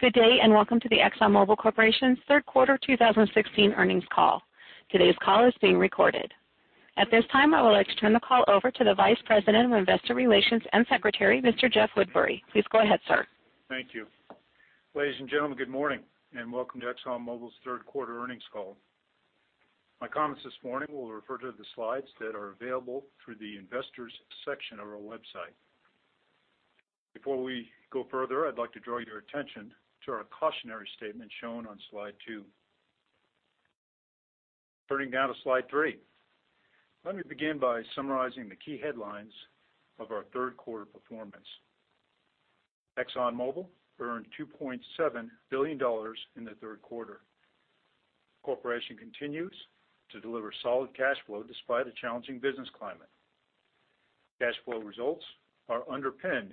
Good day, welcome to the Exxon Mobil Corporation's third quarter 2016 earnings call. Today's call is being recorded. At this time, I would like to turn the call over to the Vice President of Investor Relations and Secretary, Mr. Jeff Woodbury. Please go ahead, sir. Thank you. Ladies and gentlemen, good morning, welcome to Exxon Mobil's third quarter earnings call. My comments this morning will refer to the slides that are available through the investors section of our website. Before we go further, I'd like to draw your attention to our cautionary statement shown on slide two. Turning now to slide three. Let me begin by summarizing the key headlines of our third quarter performance. Exxon Mobil earned $2.7 billion in the third quarter. The corporation continues to deliver solid cash flow despite a challenging business climate. Cash flow results are underpinned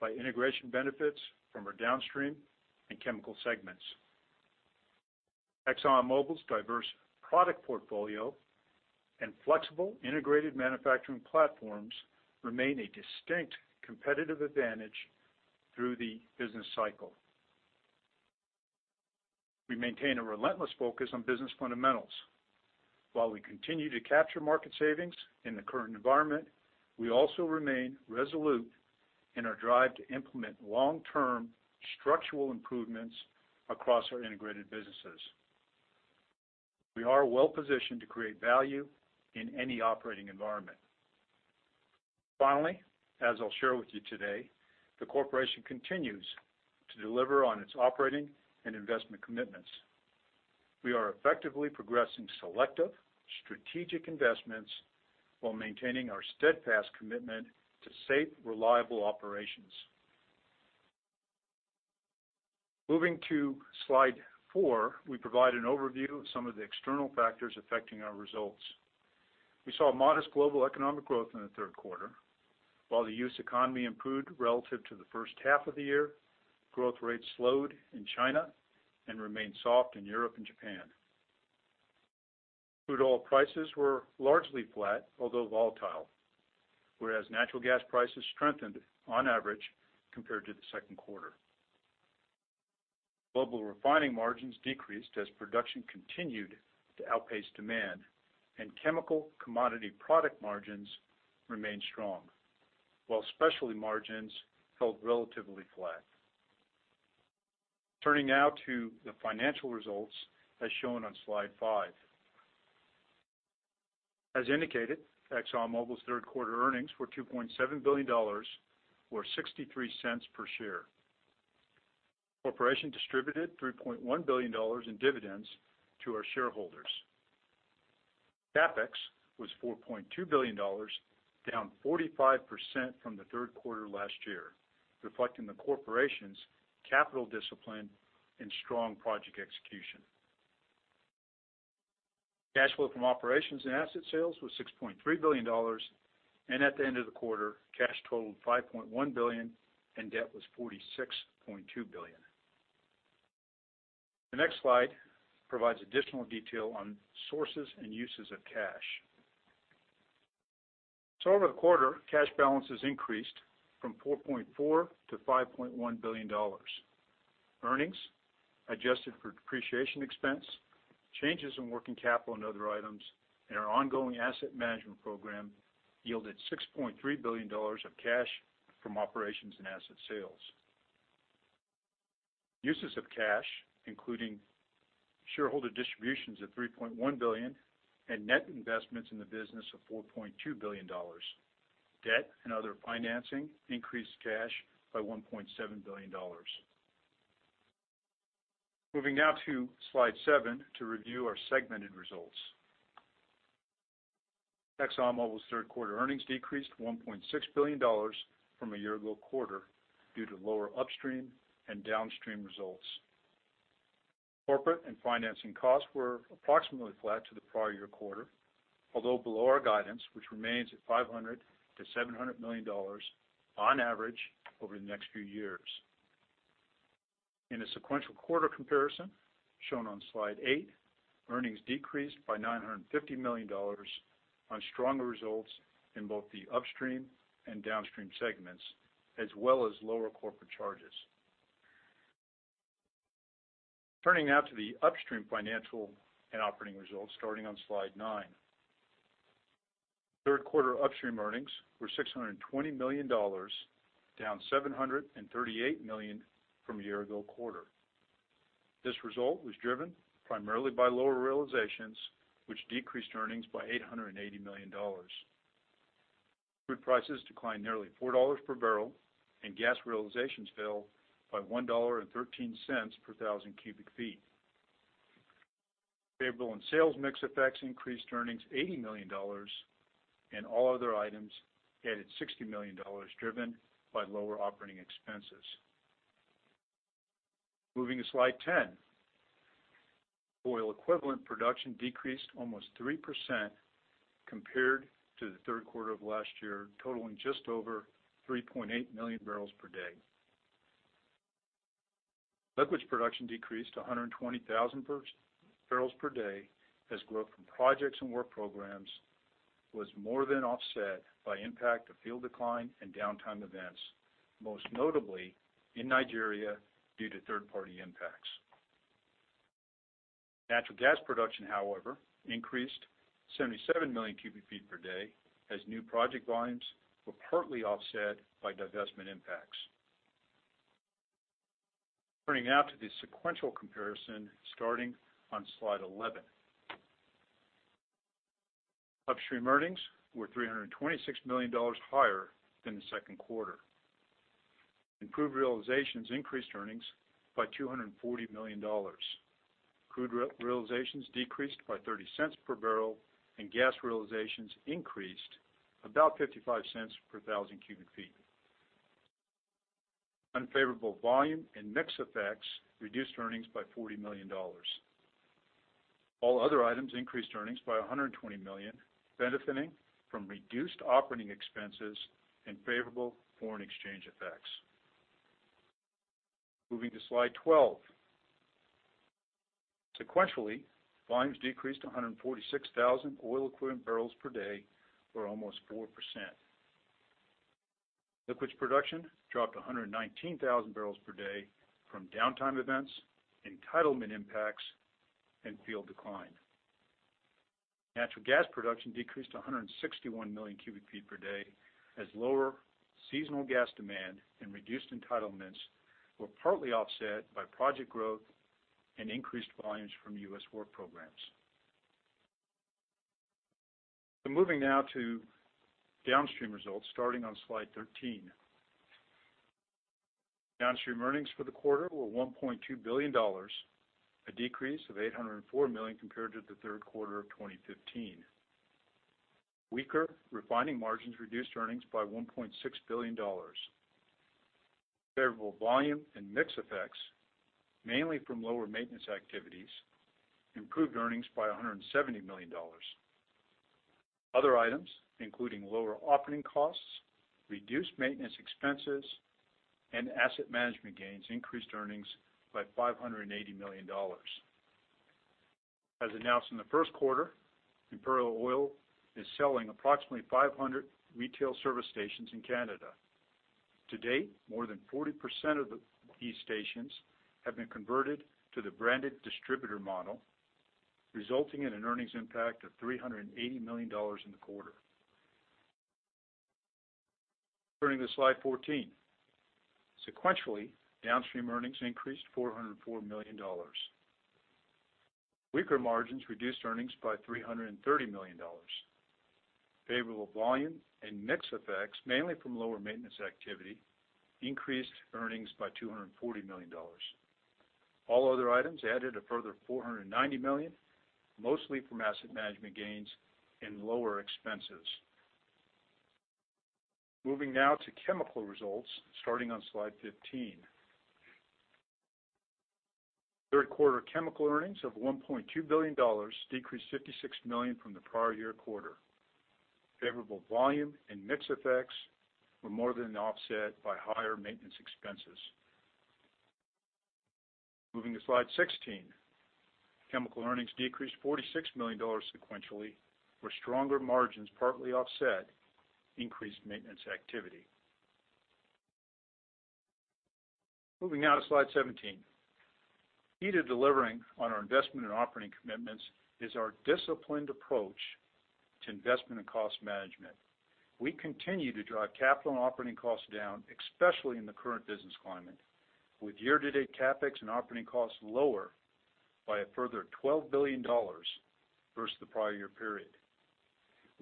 by integration benefits from our downstream and chemical segments. Exxon Mobil's diverse product portfolio and flexible integrated manufacturing platforms remain a distinct competitive advantage through the business cycle. We maintain a relentless focus on business fundamentals. While we continue to capture market savings in the current environment, we also remain resolute in our drive to implement long-term structural improvements across our integrated businesses. We are well-positioned to create value in any operating environment. Finally, as I'll share with you today, the corporation continues to deliver on its operating and investment commitments. We are effectively progressing selective strategic investments while maintaining our steadfast commitment to safe, reliable operations. Moving to slide four, we provide an overview of some of the external factors affecting our results. We saw modest global economic growth in the third quarter. While the U.S. economy improved relative to the first half of the year, growth rates slowed in China and remained soft in Europe and Japan. Crude oil prices were largely flat, although volatile, whereas natural gas prices strengthened on average compared to the second quarter. Global refining margins decreased as production continued to outpace demand, chemical commodity product margins remained strong, while specialty margins held relatively flat. Turning now to the financial results as shown on slide five. As indicated, Exxon Mobil's third-quarter earnings were $2.7 billion or $0.63 per share. Corporation distributed $3.1 billion in dividends to our shareholders. CapEx was $4.2 billion, down 45% from the third quarter last year, reflecting the corporation's capital discipline and strong project execution. Cash flow from operations and asset sales was $6.3 billion, at the end of the quarter, cash totaled $5.1 billion and debt was $46.2 billion. The next slide provides additional detail on sources and uses of cash. Over the quarter, cash balances increased from $4.4 to $5.1 billion. Earnings adjusted for depreciation expense, changes in working capital and other items, and our ongoing asset management program yielded $6.3 billion of cash from operations and asset sales. Uses of cash, including shareholder distributions of $3.1 billion and net investments in the business of $4.2 billion. Debt and other financing increased cash by $1.7 billion. Moving now to slide seven to review our segmented results. ExxonMobil's third-quarter earnings decreased $1.6 billion from a year-ago quarter due to lower upstream and downstream results. Corporate and financing costs were approximately flat to the prior year quarter, although below our guidance, which remains at $500 million to $700 million on average over the next few years. In a sequential quarter comparison shown on slide eight, earnings decreased by $950 million on stronger results in both the upstream and downstream segments, as well as lower corporate charges. Turning now to the upstream financial and operating results, starting on slide nine. Third-quarter upstream earnings were $620 million, down $738 million from a year-ago quarter. This result was driven primarily by lower realizations, which decreased earnings by $880 million. Crude prices declined nearly $4 per barrel, and gas realizations fell by $1.13 per thousand cubic feet. Favorable and sales mix effects increased earnings $80 million, and all other items added $60 million, driven by lower operating expenses. Moving to slide 10. Oil equivalent production decreased almost 3% compared to the third quarter of last year, totaling just over 3.8 million barrels per day. Liquids production decreased to 120,000 barrels per day as growth from projects and work programs was more than offset by impact of field decline and downtime events, most notably in Nigeria due to third-party impacts. Natural gas production, however, increased 77 million cubic feet per day as new project volumes were partly offset by divestment impacts. Turning now to the sequential comparison starting on slide 11. Upstream earnings were $326 million higher than the second quarter. Improved realizations increased earnings by $240 million. Crude realizations decreased by $0.30 per barrel, and gas realizations increased about $0.55 per thousand cubic feet. Unfavorable volume and mix effects reduced earnings by $40 million. All other items increased earnings by $120 million, benefiting from reduced operating expenses and favorable foreign exchange effects. Moving to slide 12. Sequentially, volumes decreased to 146,000 oil equivalent barrels per day or almost 4%. Liquids production dropped 119,000 barrels per day from downtime events, entitlement impacts, and field decline. Natural gas production decreased to 161 million cubic feet per day as lower seasonal gas demand and reduced entitlements were partly offset by project growth and increased volumes from U.S. work programs. Moving now to downstream results starting on slide 13. Downstream earnings for the quarter were $1.2 billion, a decrease of $804 million compared to the third quarter of 2015. Weaker refining margins reduced earnings by $1.6 billion. Favorable volume and mix effects, mainly from lower maintenance activities, improved earnings by $170 million. Other items, including lower operating costs, reduced maintenance expenses, and asset management gains, increased earnings by $580 million. As announced in the first quarter, Imperial Oil is selling approximately 500 retail service stations in Canada. To date, more than 40% of these stations have been converted to the branded distributor model, resulting in an earnings impact of $380 million in the quarter. Turning to slide 14. Sequentially, downstream earnings increased $404 million. Weaker margins reduced earnings by $330 million. Favorable volume and mix effects, mainly from lower maintenance activity, increased earnings by $240 million. All other items added a further $490 million, mostly from asset management gains and lower expenses. Moving now to chemical results starting on slide 15. Third quarter chemical earnings of $1.2 billion decreased $56 million from the prior year quarter. Favorable volume and mix effects were more than offset by higher maintenance expenses. Moving to slide 16. Chemical earnings decreased $46 million sequentially, where stronger margins partly offset increased maintenance activity. Moving now to slide 17. Key to delivering on our investment and operating commitments is our disciplined approach to investment and cost management. We continue to drive capital and operating costs down, especially in the current business climate, with year-to-date CapEx and operating costs lower by a further $12 billion versus the prior year period.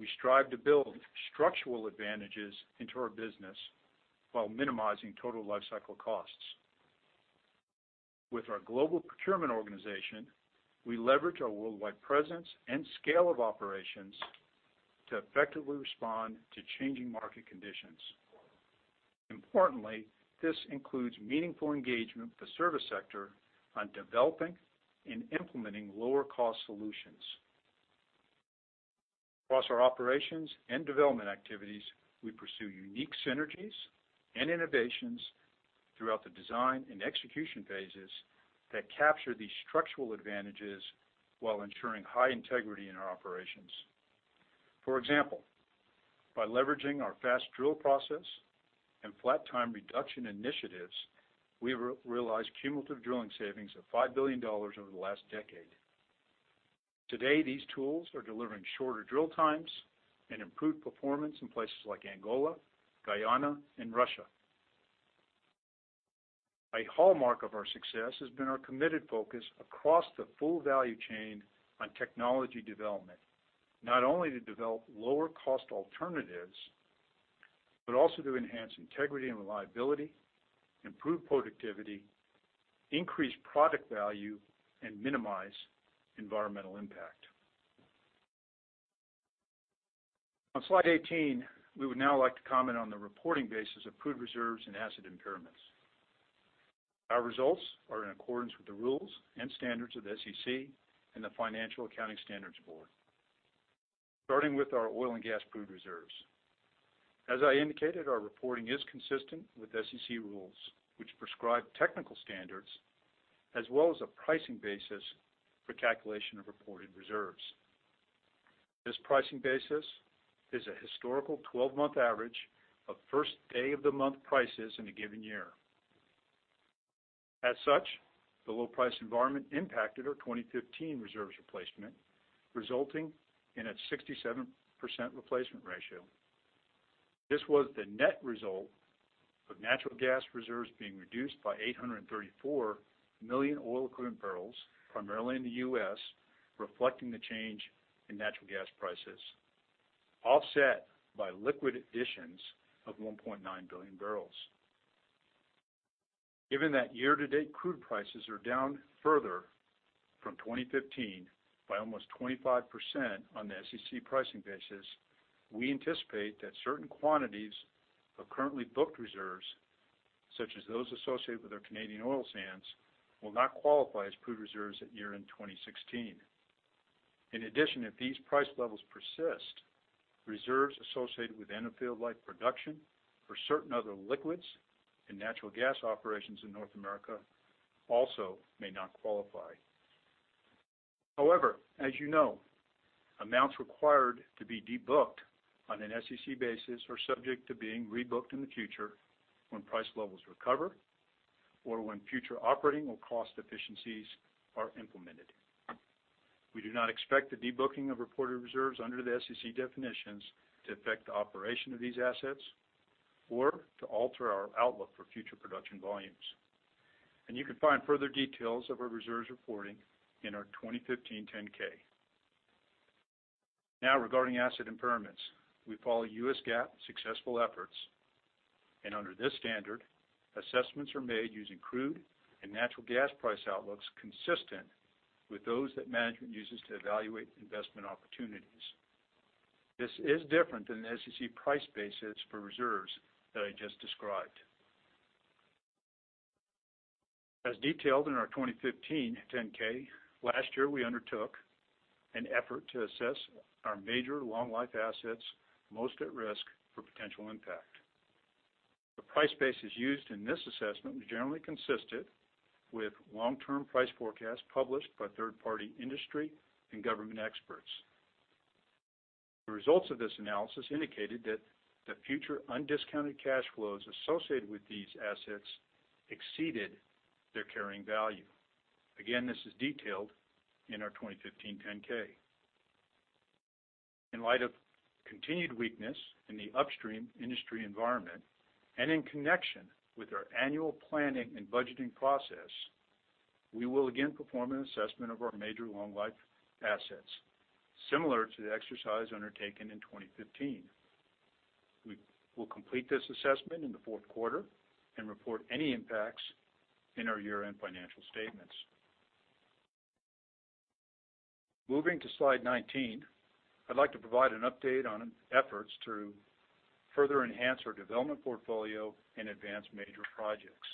We strive to build structural advantages into our business while minimizing total lifecycle costs. With our global procurement organization, we leverage our worldwide presence and scale of operations to effectively respond to changing market conditions. Importantly, this includes meaningful engagement with the service sector on developing and implementing lower-cost solutions. Across our operations and development activities, we pursue unique synergies and innovations throughout the design and execution phases that capture these structural advantages while ensuring high integrity in our operations. For example, by leveraging our fast drill process and flat time reduction initiatives, we realized cumulative drilling savings of $5 billion over the last decade. Today, these tools are delivering shorter drill times and improved performance in places like Angola, Guyana, and Russia. A hallmark of our success has been our committed focus across the full value chain on technology development. Not only to develop lower cost alternatives, but also to enhance integrity and reliability, improve productivity, increase product value, and minimize environmental impact. On slide 18, we would now like to comment on the reporting basis of proved reserves and asset impairments. Our results are in accordance with the rules and standards of the SEC and the Financial Accounting Standards Board. Starting with our oil and gas proved reserves. As I indicated, our reporting is consistent with SEC rules, which prescribe technical standards as well as a pricing basis for calculation of reported reserves. This pricing basis is a historical 12-month average of first day of the month prices in a given year. As such, the low price environment impacted our 2015 reserves replacement, resulting in a 67% replacement ratio. This was the net result of natural gas reserves being reduced by 834 million oil equivalent barrels, primarily in the U.S., reflecting the change in natural gas prices, offset by liquid additions of 1.9 billion barrels. Given that year-to-date crude prices are down further from 2015 by almost 25% on the SEC pricing basis, we anticipate that certain quantities of currently booked reserves, such as those associated with our Canadian oil sands, will not qualify as crude reserves at year-end 2016. In addition, if these price levels persist, reserves associated with infill-like production for certain other liquids and natural gas operations in North America also may not qualify. However, as you know, amounts required to be de-booked on an SEC basis are subject to being rebooked in the future when price levels recover or when future operating or cost efficiencies are implemented. We do not expect the de-booking of reported reserves under the SEC definitions to affect the operation of these assets or to alter our outlook for future production volumes. You can find further details of our reserves reporting in our 2015 10-K. Now, regarding asset impairments, we follow US GAAP successful efforts, and under this standard, assessments are made using crude and natural gas price outlooks consistent with those that management uses to evaluate investment opportunities. This is different than the SEC price basis for reserves that I just described. As detailed in our 2015 10-K, last year we undertook an effort to assess our major long-life assets most at risk for potential impact. The price basis used in this assessment was generally consistent with long-term price forecasts published by third-party industry and government experts. The results of this analysis indicated that the future undiscounted cash flows associated with these assets exceeded their carrying value. Again, this is detailed in our 2015 10-K. In light of continued weakness in the upstream industry environment and in connection with our annual planning and budgeting process, we will again perform an assessment of our major long-life assets similar to the exercise undertaken in 2015. We will complete this assessment in the fourth quarter and report any impacts in our year-end financial statements. Moving to slide 19, I'd like to provide an update on efforts to further enhance our development portfolio and advance major projects.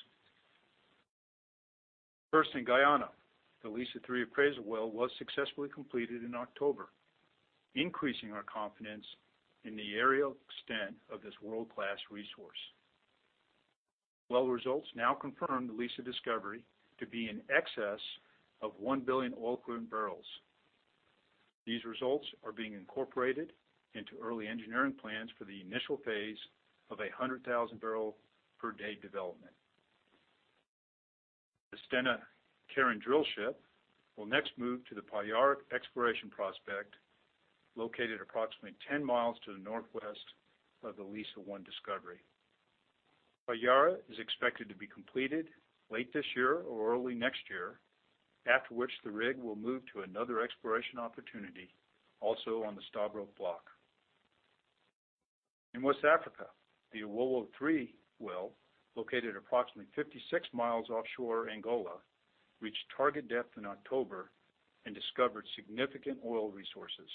First, in Guyana, the Liza-3 appraisal well was successfully completed in October, increasing our confidence in the aerial extent of this world-class resource. Well results now confirm the Liza discovery to be in excess of one billion oil equivalent barrels. These results are being incorporated into early engineering plans for the initial phase of 100,000-barrel-per-day development. The Stena Carron drillship will next move to the Payara exploration prospect, located approximately 10 miles to the northwest of the Liza-1 discovery. Payara is expected to be completed late this year or early next year, after which the rig will move to another exploration opportunity also on the Stabroek Block. In West Africa, the Owowo-3 well, located approximately 56 miles offshore Angola, reached target depth in October and discovered significant oil resources.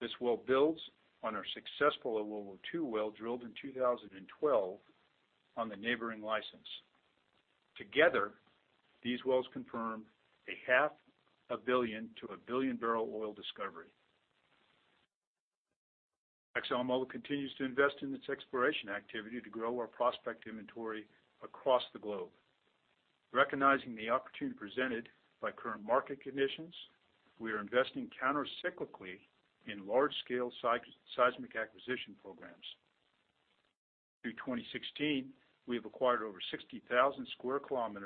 This well builds on our successful Owowo-2 well drilled in 2012 on the neighboring license. Together, these wells confirm a half a billion to a billion-barrel oil discovery. ExxonMobil continues to invest in its exploration activity to grow our prospect inventory across the globe. Recognizing the opportunity presented by current market conditions, we are investing countercyclically in large-scale seismic acquisition programs. Through 2016, we have acquired over 60,000 sq km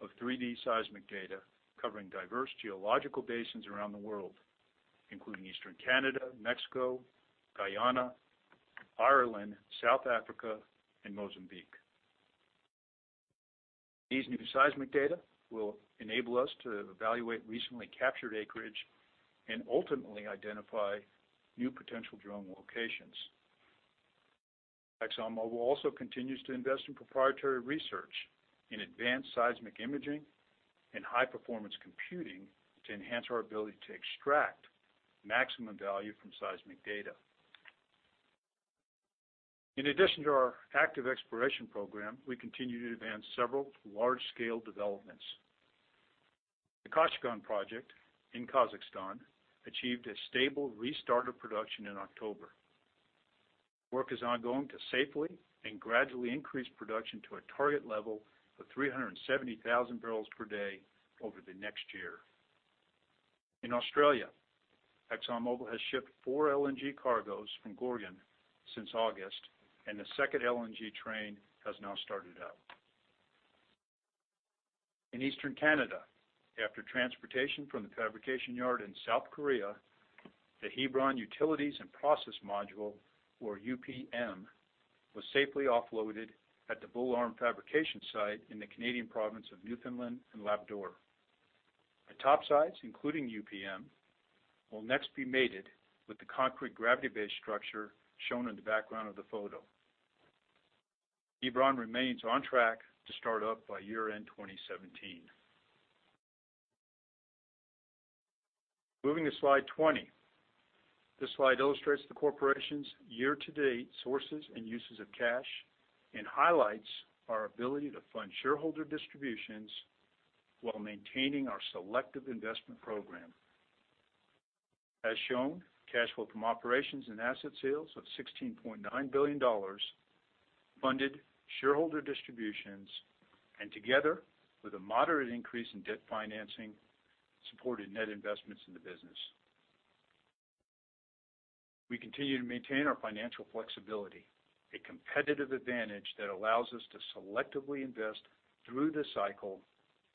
of 3D seismic data covering diverse geological basins around the world, including Eastern Canada, Mexico, Guyana, Ireland, South Africa, and Mozambique. These new seismic data will enable us to evaluate recently captured acreage and ultimately identify new potential drilling locations. ExxonMobil also continues to invest in proprietary research in advanced seismic imaging and high-performance computing to enhance our ability to extract maximum value from seismic data. In addition to our active exploration program, we continue to advance several large-scale developments. The Kashagan project in Kazakhstan achieved a stable restart of production in October. Work is ongoing to safely and gradually increase production to a target level of 370,000 barrels per day over the next year. In Australia, ExxonMobil has shipped four LNG cargoes from Gorgon since August, and the second LNG train has now started up. In Eastern Canada, after transportation from the fabrication yard in South Korea, the Hebron Utilities and Process Module, or UPM, was safely offloaded at the Bull Arm fabrication site in the Canadian province of Newfoundland and Labrador. The topsides, including UPM, will next be mated with the concrete gravity base structure shown in the background of the photo. Hebron remains on track to start up by year-end 2017. Moving to slide 20. This slide illustrates the corporation's year-to-date sources and uses of cash and highlights our ability to fund shareholder distributions while maintaining our selective investment program. As shown, cash flow from operations and asset sales of $16.9 billion funded shareholder distributions and together with a moderate increase in debt financing, supported net investments in the business. We continue to maintain our financial flexibility, a competitive advantage that allows us to selectively invest through the cycle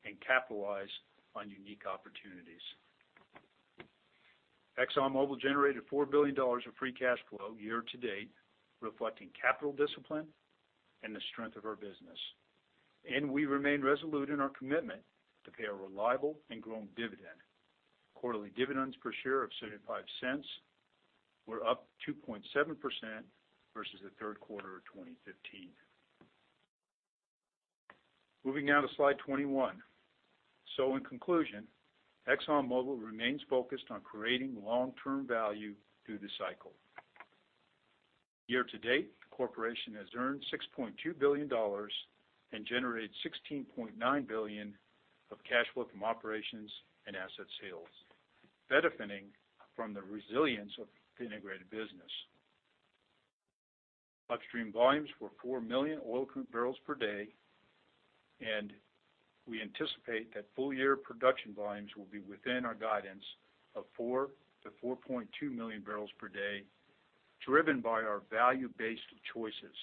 and capitalize on unique opportunities. ExxonMobil generated $4 billion of free cash flow year-to-date, reflecting capital discipline and the strength of our business. We remain resolute in our commitment to pay a reliable and growing dividend. Quarterly dividends per share of $0.75 were up 2.7% versus the third quarter of 2015. Moving now to slide 21. In conclusion, ExxonMobil remains focused on creating long-term value through the cycle. Year-to-date, the corporation has earned $6.2 billion and generated $16.9 billion of cash flow from operations and asset sales, benefiting from the resilience of the integrated business. Upstream volumes were 4 million oil barrels per day, and we anticipate that full-year production volumes will be within our guidance of 4 to 4.2 million barrels per day, driven by our value-based choices.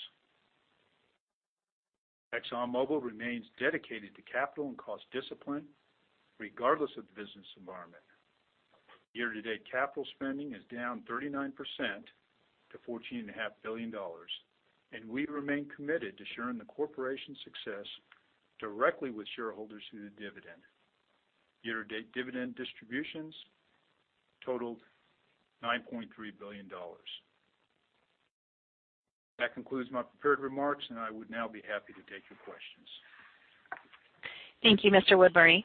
ExxonMobil remains dedicated to capital and cost discipline regardless of the business environment. Year-to-date capital spending is down 39% to $14.5 billion, and we remain committed to sharing the corporation's success directly with shareholders through the dividend. Year-to-date dividend distributions totaled $9.3 billion. That concludes my prepared remarks, and I would now be happy to take your questions. Thank you, Mr. Woodbury.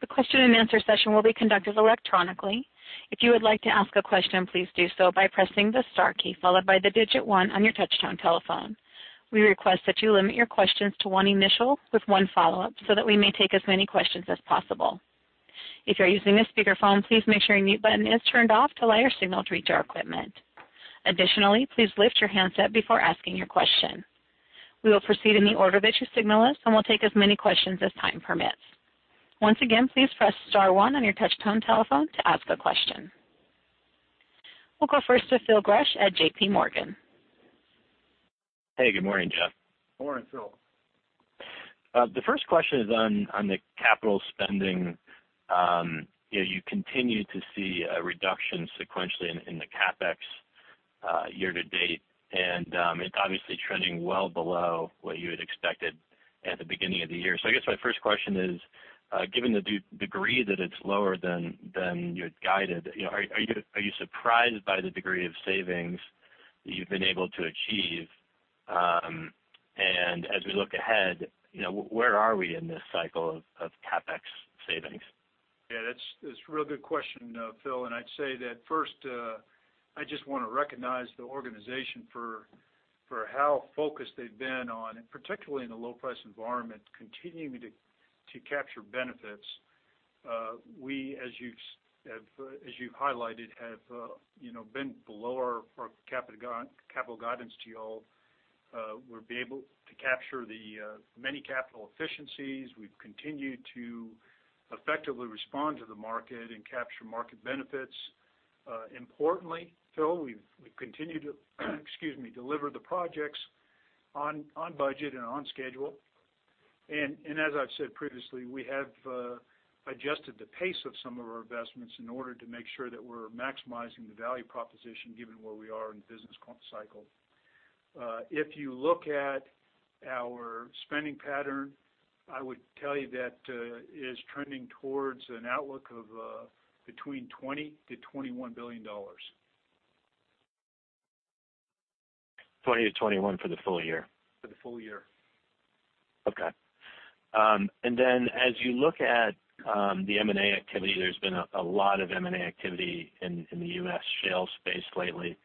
The question-and-answer session will be conducted electronically. If you would like to ask a question, please do so by pressing the star key followed by the digit 1 on your touchtone telephone. We request that you limit your questions to one initial with one follow-up so that we may take as many questions as possible. If you're using a speakerphone, please make sure your mute button is turned off to allow your signal to reach our equipment. Additionally, please lift your handset before asking your question. We will proceed in the order that you signal us and will take as many questions as time permits. Once again, please press star one on your touchtone telephone to ask a question. We'll go first to Phil Gresh at JP Morgan. Good morning, Jeff. Morning, Phil. The first question is on the capital spending. You continue to see a reduction sequentially in the CapEx year-to-date, and it's obviously trending well below what you had expected at the beginning of the year. I guess my first question is, given the degree that it's lower than you'd guided, are you surprised by the degree of savings that you've been able to achieve? As we look ahead, where are we in this cycle of CapEx savings? That's a real good question, Phil. I'd say that first I just want to recognize the organization for how focused they've been on, particularly in a low-price environment, continuing to capture benefits. We, as you've highlighted, have been below our capital guidance to you all. We've been able to capture the many capital efficiencies. We've continued to effectively respond to the market and capture market benefits. Importantly, Phil, we've continued to deliver the projects on budget and on schedule. As I've said previously, we have adjusted the pace of some of our investments in order to make sure that we're maximizing the value proposition given where we are in the business cycle. If you look at our spending pattern, I would tell you that it is trending towards an outlook of between $20 billion-$21 billion. $20 to $21 for the full year? For the full year. Okay. As you look at the M&A activity, there's been a lot of M&A activity in the U.S. shale space lately.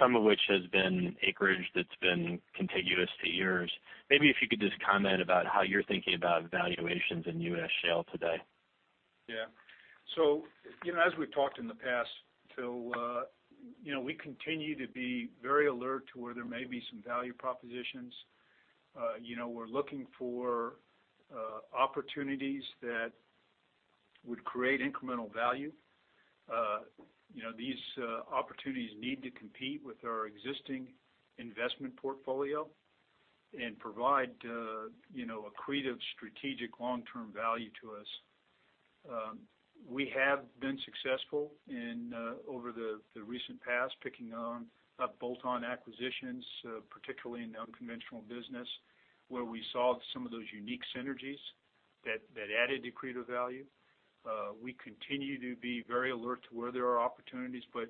Some of which has been acreage that's been contiguous to yours. Maybe if you could just comment about how you're thinking about valuations in U.S. shale today. Yeah. As we've talked in the past, Phil, we continue to be very alert to where there may be some value propositions. We're looking for opportunities that would create incremental value. These opportunities need to compete with our existing investment portfolio and provide accretive strategic long-term value to us. We have been successful over the recent past, picking on bolt-on acquisitions, particularly in the unconventional business, where we saw some of those unique synergies that added accretive value. We continue to be very alert to where there are opportunities, but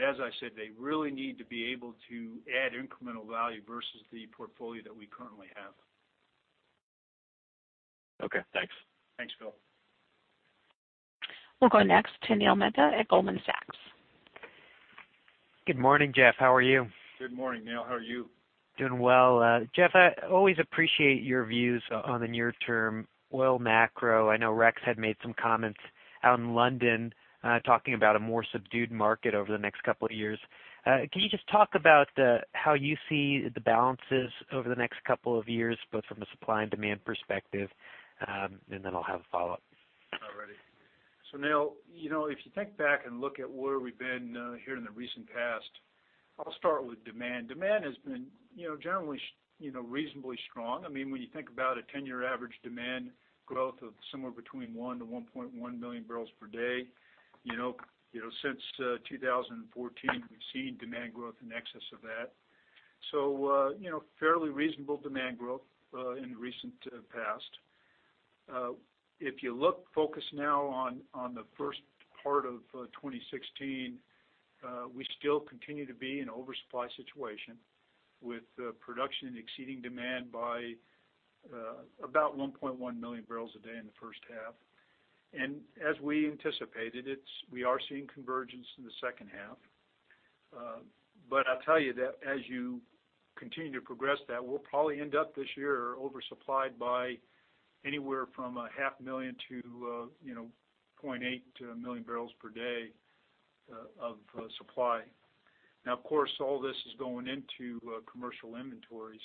as I said, they really need to be able to add incremental value versus the portfolio that we currently have. Okay, thanks. Thanks, Phil. We'll go next to Neil Mehta at Goldman Sachs. Good morning, Jeff. How are you? Good morning, Neil. How are you? Doing well. Jeff, I always appreciate your views on the near-term oil macro. I know Rex had made some comments out in London talking about a more subdued market over the next couple of years. Can you just talk about how you see the balances over the next couple of years, both from a supply and demand perspective? Then I'll have a follow-up. All righty. Neil, if you think back and look at where we've been here in the recent past, I'll start with demand. Demand has been generally reasonably strong. When you think about a 10-year average demand growth of somewhere between 1 million-1.1 million barrels per day. Since 2014, we've seen demand growth in excess of that. Fairly reasonable demand growth in the recent past. If you focus now on the first part of 2016, we still continue to be in an oversupply situation with production exceeding demand by about 1.1 million barrels per day in the first half. As we anticipated, we are seeing convergence in the second half. I'll tell you that as you continue to progress that, we'll probably end up this year oversupplied by anywhere from a half million to 0.8 million barrels per day of supply. Now, of course, all this is going into commercial inventories.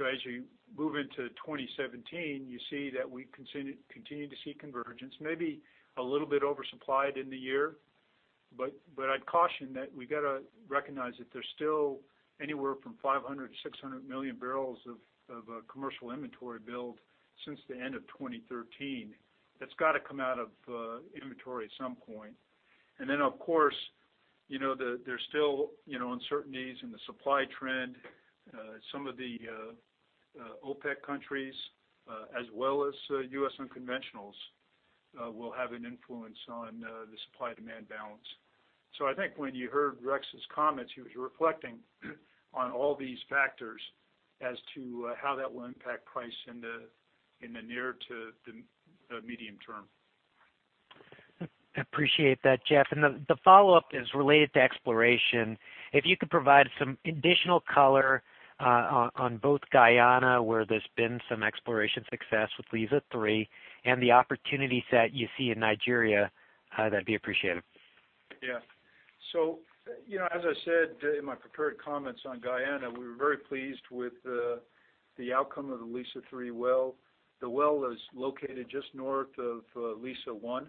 As you move into 2017, you see that we continue to see convergence, maybe a little bit oversupplied in the year, but I'd caution that we got to recognize that there's still anywhere from 500 to 600 million barrels of commercial inventory build since the end of 2013. That's got to come out of inventory at some point. Then, of course, there's still uncertainties in the supply trend. Some of the OPEC countries as well as U.S. unconventionals will have an influence on the supply-demand balance. I think when you heard Rex's comments, he was reflecting on all these factors as to how that will impact price in the near to the medium term. I appreciate that, Jeff. The follow-up is related to exploration. If you could provide some additional color on both Guyana, where there has been some exploration success with Liza-3, and the opportunity set you see in Nigeria, that would be appreciated. Yeah. As I said in my prepared comments on Guyana, we were very pleased with the outcome of the Liza-3 well. The well is located just north of Liza-1.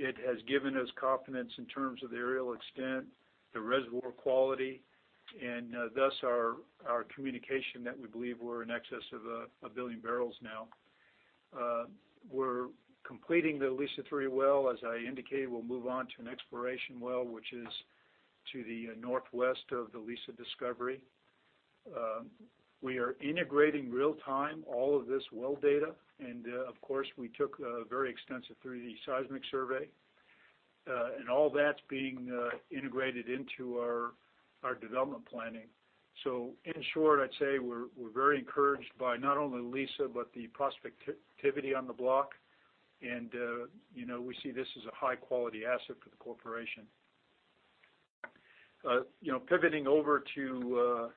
It has given us confidence in terms of the aerial extent, the reservoir quality, and thus our communication that we believe we are in excess of a billion barrels now. We are completing the Liza-3 well. As I indicated, we will move on to an exploration well, which is to the northwest of the Liza discovery. We are integrating real time all of this well data, and of course, we took a very extensive 3D seismic survey. All that is being integrated into our development planning. In short, I would say we are very encouraged by not only Liza, but the prospectivity on the block. We see this as a high-quality asset for the corporation. Pivoting over to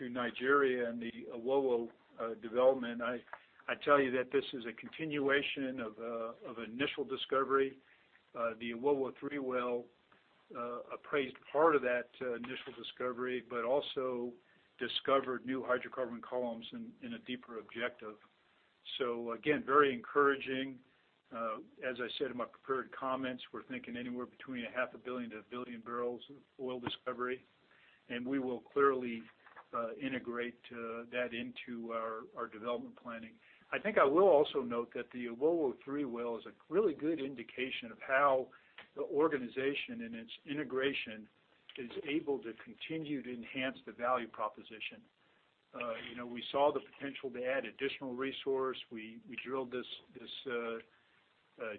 Nigeria and the Owowo development, I tell you that this is a continuation of initial discovery. The Owowo-3 well appraised part of that initial discovery, but also discovered new hydrocarbon columns in a deeper objective. Again, very encouraging. As I said in my prepared comments, we are thinking anywhere between a half a billion to a billion barrels of oil discovery, and we will clearly integrate that into our development planning. I think I will also note that the Owowo-3 well is a really good indication of how the organization and its integration is able to continue to enhance the value proposition. We saw the potential to add additional resource. We drilled this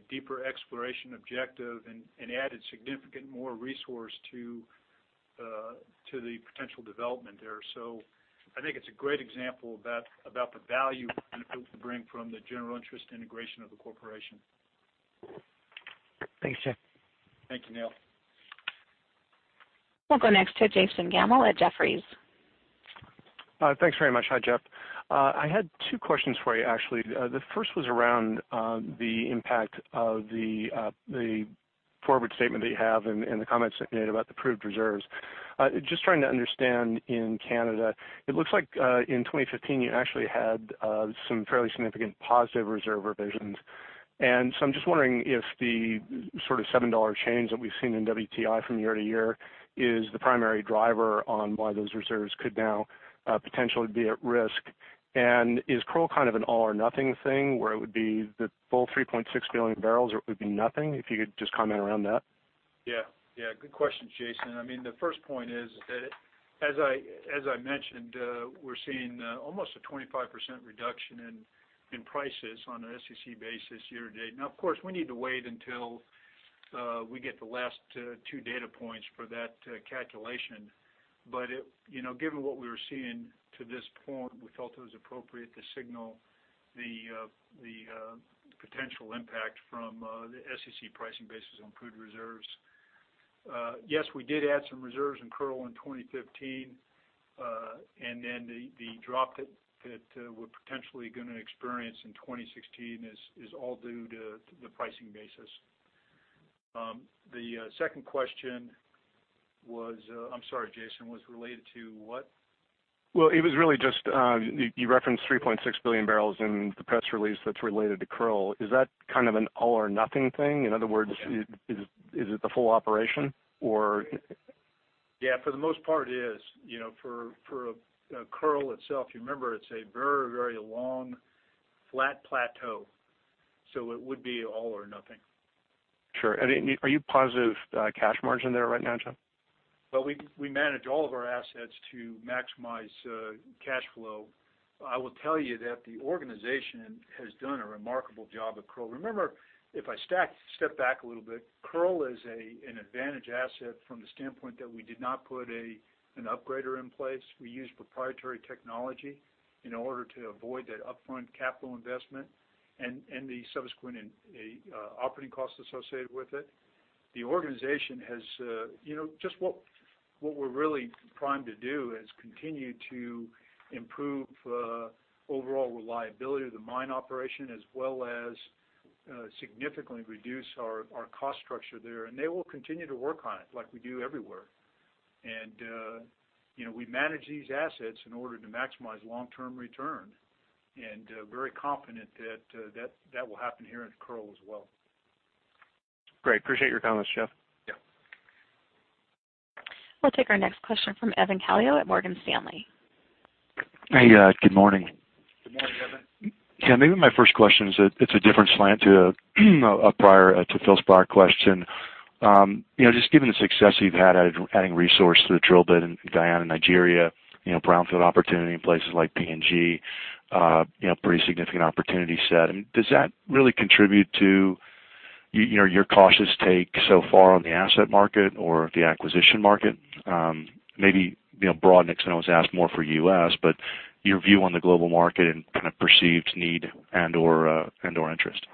deeper exploration objective and added significant more resource to the potential development there. I think it is a great example about the value we can bring from the general interest integration of the corporation. Thanks, Jeff. Thank you, Neil. We'll go next to Jason Gammel at Jefferies. Thanks very much. Hi, Jeff. I had two questions for you, actually. The first was around the impact of the forward statement that you have and the comments that you made about the proved reserves. Just trying to understand, in Canada, it looks like in 2015, you actually had some fairly significant positive reserve revisions. I'm just wondering if the sort of $7 change that we've seen in WTI from year to year is the primary driver on why those reserves could now potentially be at risk. Is Kearl kind of an all or nothing thing, where it would be the full 3.6 billion barrels, or it would be nothing? If you could just comment around that. Good question, Jason. The first point is that as I mentioned, we're seeing almost a 25% reduction in prices on an SEC basis year to date. Of course, we need to wait until we get the last two data points for that calculation. Given what we were seeing to this point, we felt it was appropriate to signal the potential impact from the SEC pricing basis on proved reserves. Yes, we did add some reserves in Kearl in 2015. The drop that we're potentially going to experience in 2016 is all due to the pricing basis. The second question was, I'm sorry, Jason, was related to what? It was really just, you referenced 3.6 billion barrels in the press release that's related to Kearl. Is that kind of an all or nothing thing? In other words, is it the full operation or For the most part, it is. For Kearl itself, you remember it's a very long flat plateau, it would be all or nothing. Sure. Are you positive cash margin there right now, Jeff? Well, we manage all of our assets to maximize cash flow. I will tell you that the organization has done a remarkable job at Kearl. Remember, if I step back a little bit, Kearl is an advantage asset from the standpoint that we did not put an upgrader in place. We used proprietary technology in order to avoid that upfront capital investment and the subsequent operating cost associated with it. Just what we're really primed to do is continue to improve overall reliability of the mine operation as well as significantly reduce our cost structure there, and they will continue to work on it like we do everywhere. We manage these assets in order to maximize long-term return and very confident that that will happen here in Kearl as well. Great. Appreciate your comments, Jeff. Yeah. We'll take our next question from Evan Calio at Morgan Stanley. Hey, good morning. Good morning, Evan. Yeah, maybe my first question is it's a different slant to Phil's prior question. Just given the success you've had adding resource through the drill bit in Guyana and Nigeria, brownfield opportunity in places like PNG, pretty significant opportunity set. Does that really contribute to your cautious take so far on the asset market or the acquisition market? Maybe broad [inaudible] always ask more for U.S., but your view on the global market and kind of perceived need and or interest.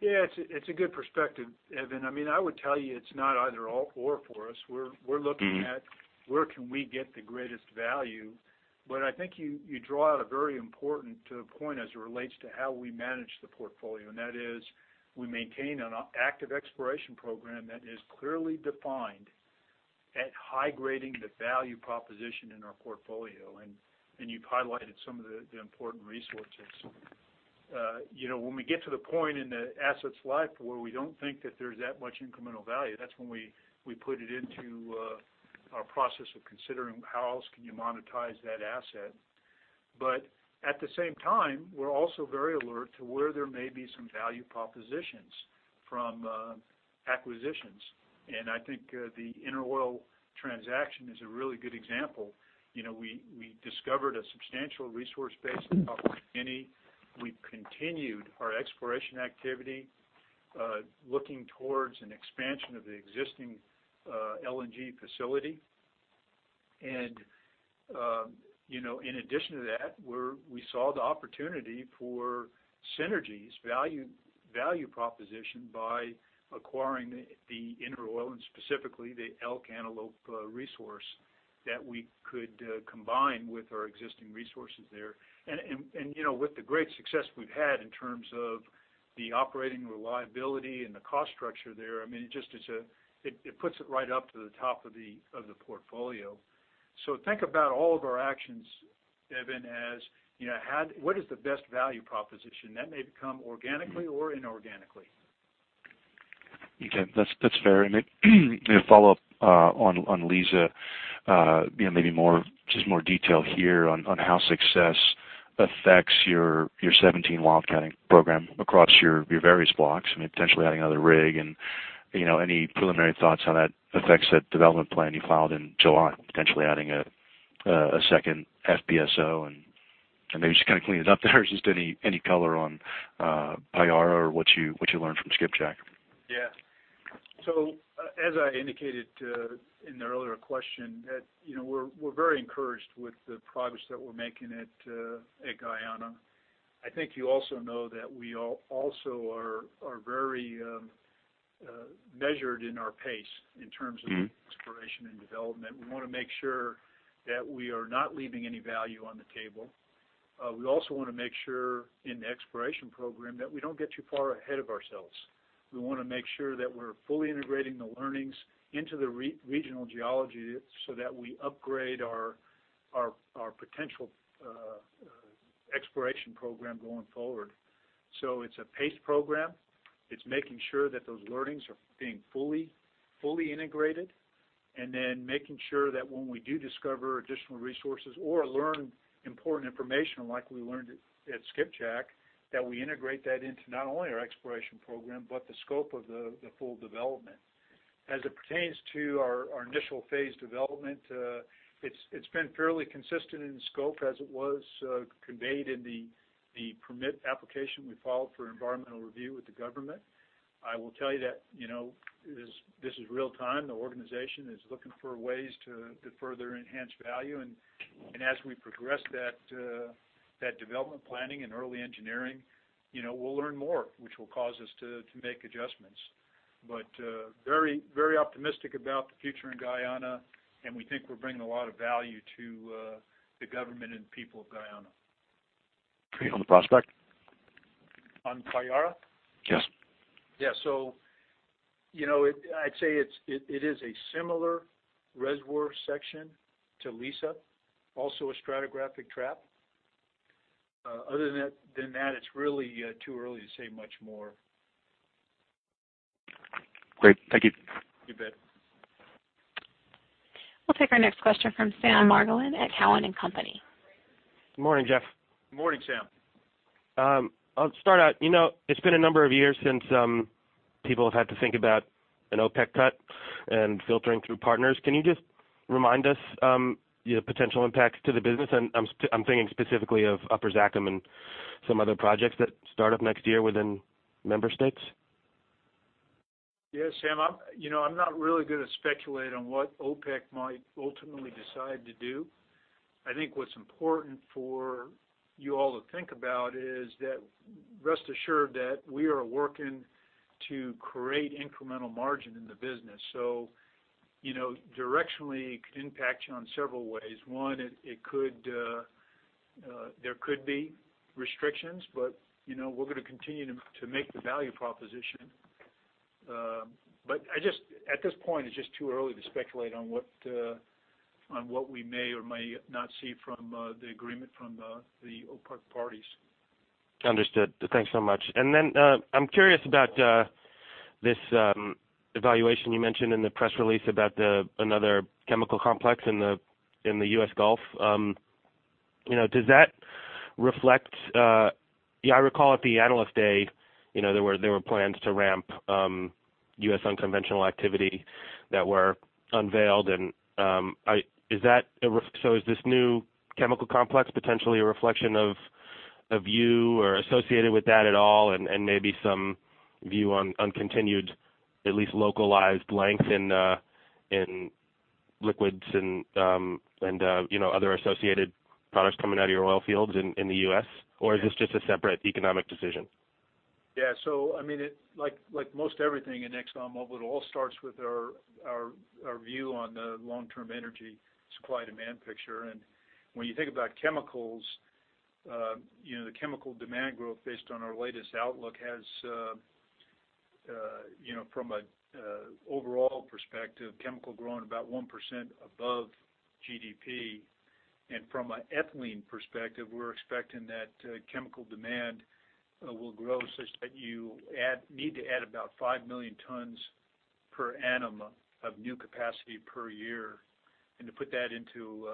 Yeah, it's a good perspective, Evan. I would tell you it's not either/or for us. We're looking at where can we get the greatest value. I think you draw out a very important point as it relates to how we manage the portfolio, and that is we maintain an active exploration program that is clearly defined at high grading the value proposition in our portfolio, and you've highlighted some of the important resources. When we get to the point in the asset's life where we don't think that there's that much incremental value, that's when we put it into our process of considering how else can you monetize that asset. At the same time, we're also very alert to where there may be some value propositions from acquisitions. I think the InterOil transaction is a really good example. We discovered a substantial resource base in Papua New Guinea. We've continued our exploration activity, looking towards an expansion of the existing LNG facility. In addition to that, we saw the opportunity for synergies value proposition by acquiring the InterOil and specifically the Elk-Antelope resource that we could combine with our existing resources there. With the great success we've had in terms of the operating reliability and the cost structure there, it puts it right up to the top of the portfolio. Think about all of our actions, Evan, as what is the best value proposition? That may become organically or inorganically. Okay. That's fair. A follow-up on Liza, maybe just more detail here on how success affects your 2017 well counting program across your various blocks, I mean, potentially adding another rig and any preliminary thoughts on how that affects that development plan you filed in July, potentially adding a second FPSO. Maybe just clean it up there. Just any color on Payara or what you learned from Skipjack? Yeah. As I indicated in the earlier question that we're very encouraged with the progress that we're making at Guyana. I think you also know that we also are very measured in our pace. exploration and development. We want to make sure that we are not leaving any value on the table. We also want to make sure in the exploration program that we don't get too far ahead of ourselves. We want to make sure that we're fully integrating the learnings into the regional geology so that we upgrade our potential exploration program going forward. It's a paced program. It's making sure that those learnings are being fully integrated, and then making sure that when we do discover additional resources or learn important information like we learned at Skipjack, that we integrate that into not only our exploration program, but the scope of the full development. As it pertains to our initial phase development, it's been fairly consistent in scope as it was conveyed in the permit application we filed for environmental review with the government. I will tell you that this is real-time. The organization is looking for ways to further enhance value, and as we progress that development planning and early engineering, we'll learn more, which will cause us to make adjustments. Very optimistic about the future in Guyana, and we think we're bringing a lot of value to the government and people of Guyana. On the prospect? On Payara? Yes. Yeah. I'd say it is a similar reservoir section to Liza, also a stratigraphic trap. Other than that, it's really too early to say much more. Great. Thank you. You bet. We'll take our next question from Sam Margolin at Cowen and Company. Good morning, Jeff. Good morning, Sam. I'll start out. It's been a number of years since people have had to think about an OPEC cut and filtering through partners. Can you just remind us the potential impacts to the business? I'm thinking specifically of Upper Zakum and some other projects that start up next year within member states. Yeah, Sam. I'm not really good at speculating on what OPEC might ultimately decide to do. I think what's important for you all to think about is that rest assured that we are working to create incremental margin in the business. Directionally, it could impact you on several ways. One, there could be restrictions, but we're going to continue to make the value proposition. At this point, it's just too early to speculate on what we may or may not see from the agreement from the OPEC parties. Understood. Thanks so much. I'm curious about this evaluation you mentioned in the press release about another chemical complex in the U.S. Gulf. I recall at the Analyst Day, there were plans to ramp U.S. unconventional activity that were unveiled. Is this new chemical complex potentially a reflection of you or associated with that at all, and maybe some view on continued at least localized length in liquids and other associated products coming out of your oil fields in the U.S.? Or is this just a separate economic decision? Yeah. Like most everything in ExxonMobil, it all starts with our view on the long-term energy supply demand picture. When you think about chemicals, the chemical demand growth based on our latest outlook has from an overall perspective, chemical growing about 1% above GDP. From an ethylene perspective, we're expecting that chemical demand will grow such that you need to add about 5 million tons per annum of new capacity per year. To put that into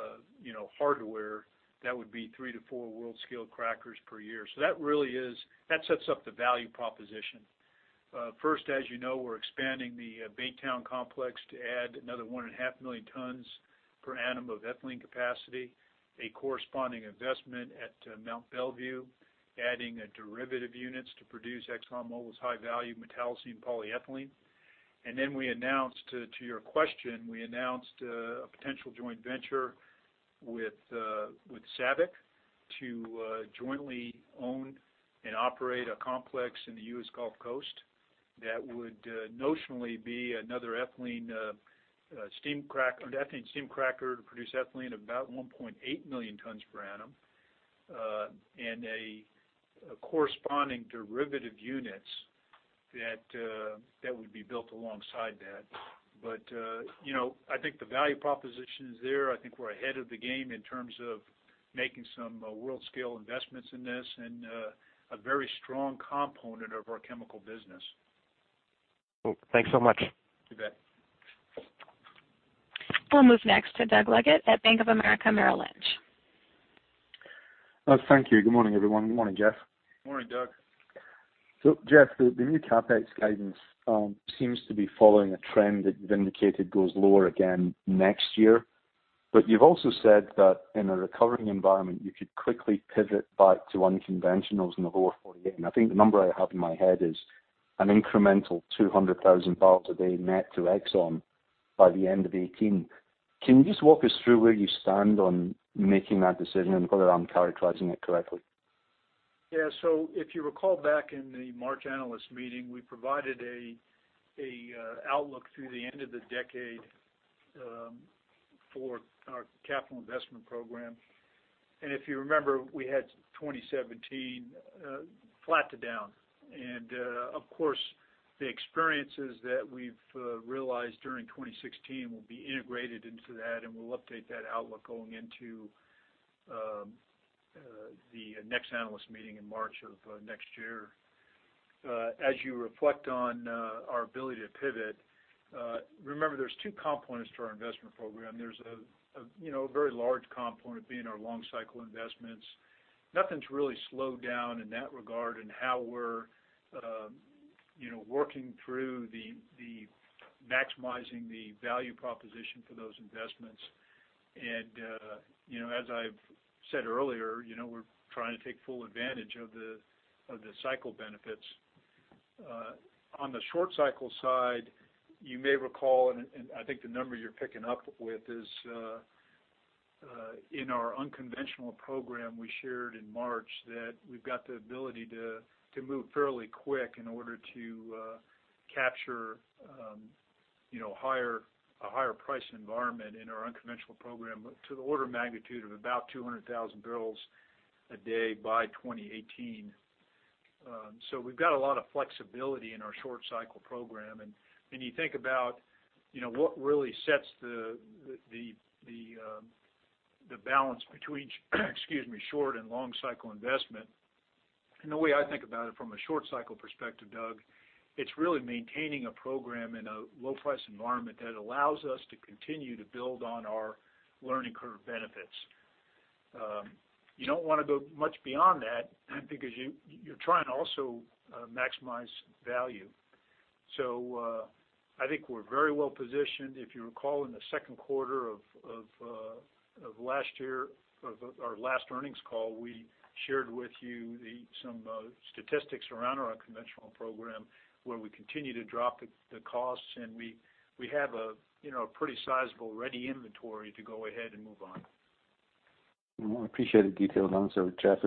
hardware, that would be 3 to 4 world-scale crackers per year. That sets up the value proposition. First, as you know, we're expanding the Baytown complex to add another 1.5 million tons per annum of ethylene capacity, a corresponding investment at Mont Belvieu, adding derivative units to produce ExxonMobil's high-value metallocene polyethylene. To your question, we announced a potential joint venture with SABIC to jointly own and operate a complex in the U.S. Gulf Coast that would notionally be another ethylene steam cracker to produce ethylene, about 1.8 million tons per annum, and corresponding derivative units that would be built alongside that. I think the value proposition is there. I think we're ahead of the game in terms of making some world-scale investments in this and a very strong component of our chemical business. Cool. Thanks so much. You bet. We'll move next to Doug Leggate at Bank of America Merrill Lynch. Thank you. Good morning, everyone. Good morning, Jeff. Good morning, Doug. Jeff, the new CapEx guidance seems to be following a trend that you've indicated goes lower again next year. You've also said that in a recovering environment, you could quickly pivot back to unconventionals in the lower 48. I think the number I have in my head is an incremental 200,000 barrels a day net to Exxon by the end of 2018. Can you just walk us through where you stand on making that decision and whether I'm characterizing it correctly? Yeah. If you recall back in the March analyst meeting, we provided an outlook through the end of the decade for our capital investment program. If you remember, we had 2017 flat to down. Of course, the experiences that we've realized during 2016 will be integrated into that, and we'll update that outlook going into the next analyst meeting in March of next year. As you reflect on our ability to pivot, remember there's two components to our investment program. There's a very large component being our long-cycle investments. Nothing's really slowed down in that regard and how we're working through maximizing the value proposition for those investments. As I've said earlier, we're trying to take full advantage of the cycle benefits. On the short cycle side, you may recall, I think the number you're picking up with is in our unconventional program we shared in March that we've got the ability to move fairly quick in order to capture a higher price environment in our unconventional program to the order of magnitude of about 200,000 barrels a day by 2018. We've got a lot of flexibility in our short cycle program. When you think about what really sets the balance between short and long cycle investment, and the way I think about it from a short cycle perspective, Doug, it's really maintaining a program in a low-price environment that allows us to continue to build on our learning curve benefits. You don't want to go much beyond that because you're trying to also maximize value. I think we're very well positioned. If you recall in the second quarter of last year, our last earnings call, we shared with you some statistics around our unconventional program where we continue to drop the costs, and we have a pretty sizable ready inventory to go ahead and move on. I appreciate the detailed answer, Jeff.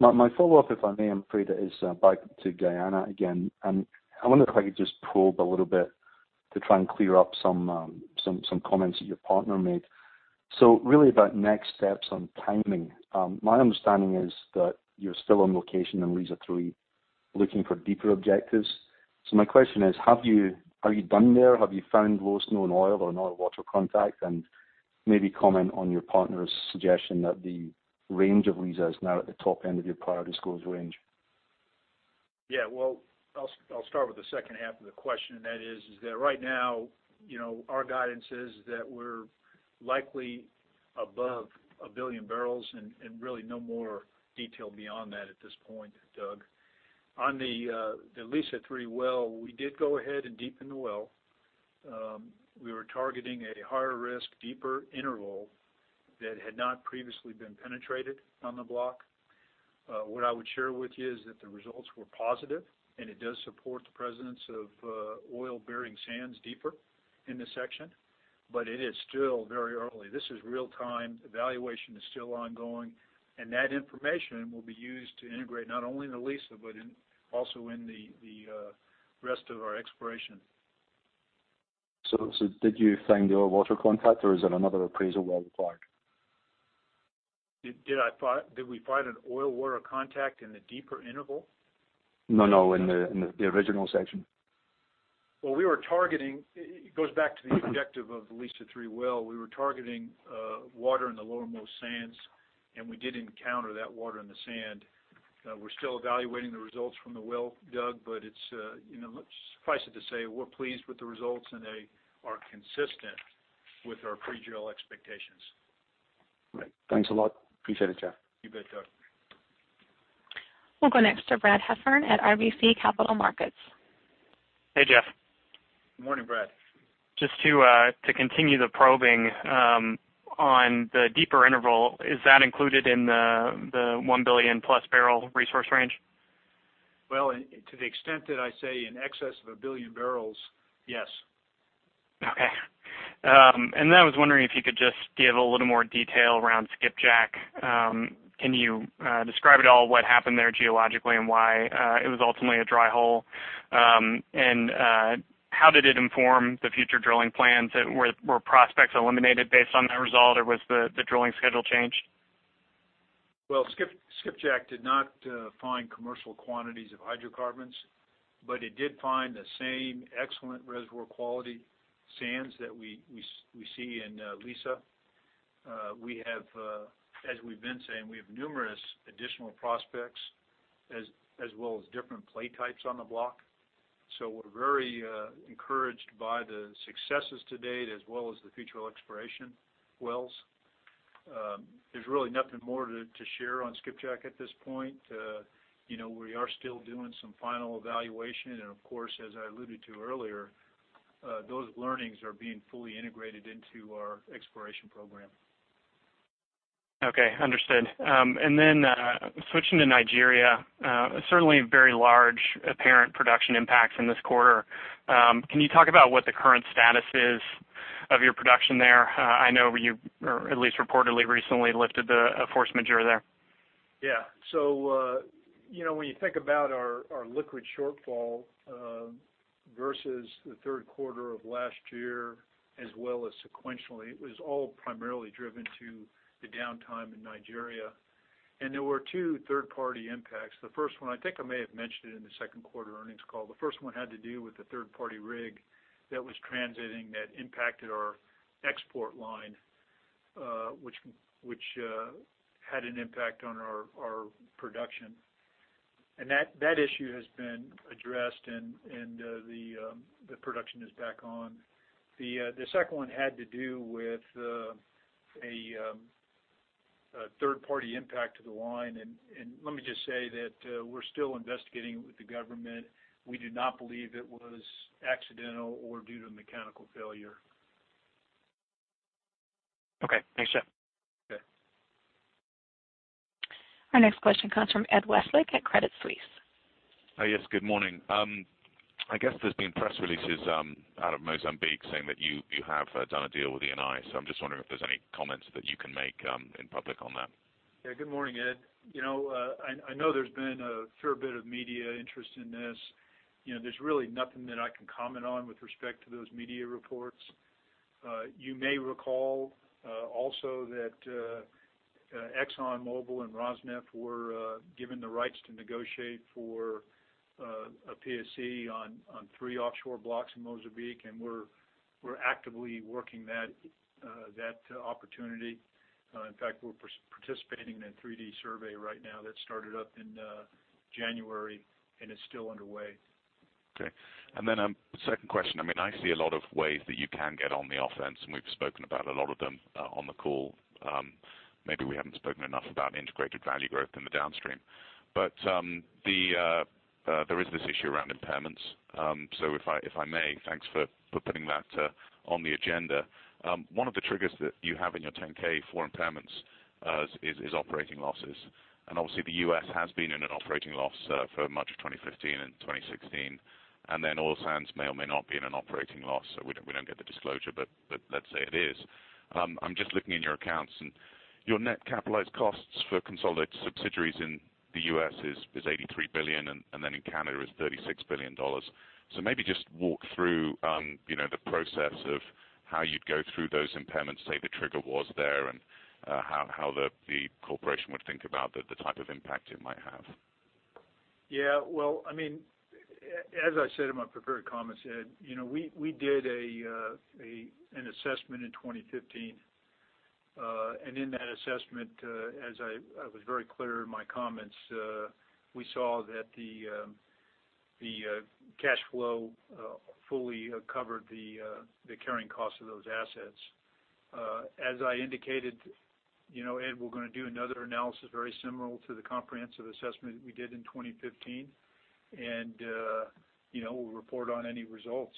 My follow-up, if I may, I'm afraid it is back to Guyana again. I wonder if I could just probe a little bit to try and clear up some comments that your partner made. Really about next steps on timing. My understanding is that you're still on location in Liza-3 looking for deeper objectives. My question is, are you done there? Have you found lowest known oil or an oil water contact? Maybe comment on your partner's suggestion that the range of Liza is now at the top end of your priority scores range. Yeah. I'll start with the second half of the question, and that is that right now our guidance is that we're likely above a billion barrels, and really no more detail beyond that at this point, Doug. On the Liza-3 well, we did go ahead and deepen the well. We were targeting a higher risk, deeper interval that had not previously been penetrated on the block. What I would share with you is that the results were positive, and it does support the presence of oil-bearing sands deeper in the section, but it is still very early. This is real time. Evaluation is still ongoing, and that information will be used to integrate not only in the Liza but also in the rest of our exploration. Did you find the oil water contact, or is it another appraisal well required? Did we find an oil water contact in the deeper interval? No, in the original section. Well, it goes back to the objective of the Liza-3 well. We were targeting water in the lowermost sands, and we did encounter that water in the sand. We're still evaluating the results from the well, Doug, but suffice it to say, we're pleased with the results, and they are consistent with our pre-drill expectations. Right. Thanks a lot. Appreciate it, Jeff. You bet, Doug. We'll go next to Brad Heffern at RBC Capital Markets. Hey, Jeff. Good morning, Brad. Just to continue the probing on the deeper interval, is that included in the 1 billion-plus barrel resource range? Well, to the extent that I say in excess of a billion barrels, yes. Okay. I was wondering if you could just give a little more detail around Skipjack. Can you describe at all what happened there geologically and why it was ultimately a dry hole? How did it inform the future drilling plans? Were prospects eliminated based on that result, or was the drilling schedule changed? Skipjack did not find commercial quantities of hydrocarbons, but it did find the same excellent reservoir quality sands that we see in Liza. As we've been saying, we have numerous additional prospects as well as different play types on the block. We're very encouraged by the successes to date as well as the future exploration wells. There's really nothing more to share on Skipjack at this point. We are still doing some final evaluation, and of course, as I alluded to earlier, those learnings are being fully integrated into our exploration program. Okay, understood. Switching to Nigeria, certainly very large apparent production impacts in this quarter. Can you talk about what the current status is of your production there? I know you, or at least reportedly, recently lifted the force majeure there. Yeah. When you think about our liquid shortfall versus the third quarter of last year as well as sequentially, it was all primarily driven to the downtime in Nigeria. There were 2 third-party impacts. The first one, I think I may have mentioned it in the second quarter earnings call. The first one had to do with the third-party rig that was transiting that impacted our export line, which had an impact on our production. That issue has been addressed, and the production is back on. The second one had to do with a third-party impact to the line, and let me just say that we're still investigating with the government. We do not believe it was accidental or due to mechanical failure. Okay. Thanks, Jeff. Okay. Our next question comes from Ed Westlake at Credit Suisse. Yes, good morning. I guess there's been press releases out of Mozambique saying that you have done a deal with Eni, I'm just wondering if there's any comments that you can make in public on that. Yeah. Good morning, Ed. I know there's been a fair bit of media interest in this. There's really nothing that I can comment on with respect to those media reports. You may recall also that Exxon Mobil and Rosneft were given the rights to negotiate for a PSC on three offshore blocks in Mozambique. We're actively working that opportunity. In fact, we're participating in a 3D survey right now that started up in January and is still underway. Okay. Second question, I see a lot of ways that you can get on the offense. We've spoken about a lot of them on the call. Maybe we haven't spoken enough about integrated value growth in the downstream. There is this issue around impairments. If I may, thanks for putting that on the agenda. One of the triggers that you have in your 10-K for impairments is operating losses, and obviously the U.S. has been in an operating loss for much of 2015 and 2016. Oil Sands may or may not be in an operating loss, we don't get the disclosure, but let's say it is. I'm just looking in your accounts, your net capitalized costs for consolidated subsidiaries in the U.S. is $83 billion, and in Canada is $36 billion. Maybe just walk through the process of how you'd go through those impairments, say the trigger was there, and how the corporation would think about the type of impact it might have. Yeah. As I said in my prepared comments, Ed, we did an assessment in 2015. In that assessment, as I was very clear in my comments, we saw that the cash flow fully covered the carrying cost of those assets. As I indicated, Ed, we're going to do another analysis very similar to the comprehensive assessment we did in 2015, and we'll report on any results.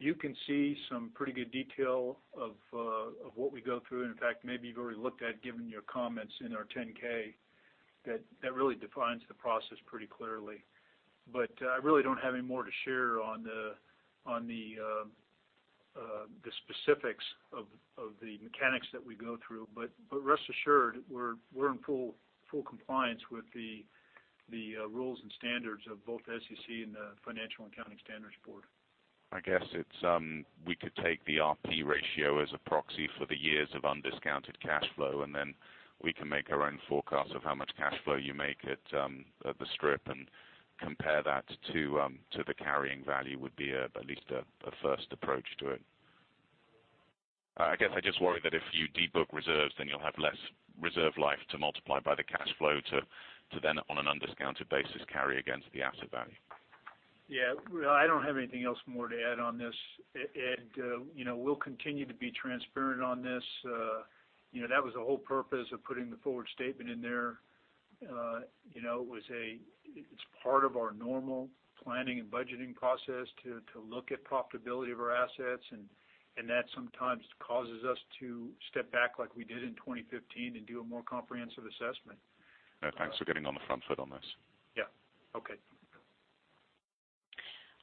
You can see some pretty good detail of what we go through. In fact, maybe you've already looked at, given your comments in our 10-K, that really defines the process pretty clearly. I really don't have any more to share on the specifics of the mechanics that we go through. Rest assured, we're in full compliance with the rules and standards of both the SEC and the Financial Accounting Standards Board. I guess we could take the RP ratio as a proxy for the years of undiscounted cash flow, and then we can make our own forecast of how much cash flow you make at the strip and compare that to the carrying value would be at least a first approach to it. I guess I just worry that if you de-book reserves, then you'll have less reserve life to multiply by the cash flow to then, on an undiscounted basis, carry against the asset value. Yeah. I don't have anything else more to add on this, Ed. We'll continue to be transparent on this. That was the whole purpose of putting the forward statement in there. It's part of our normal planning and budgeting process to look at profitability of our assets, and that sometimes causes us to step back like we did in 2015 and do a more comprehensive assessment. Thanks for getting on the front foot on this. Yeah. Okay.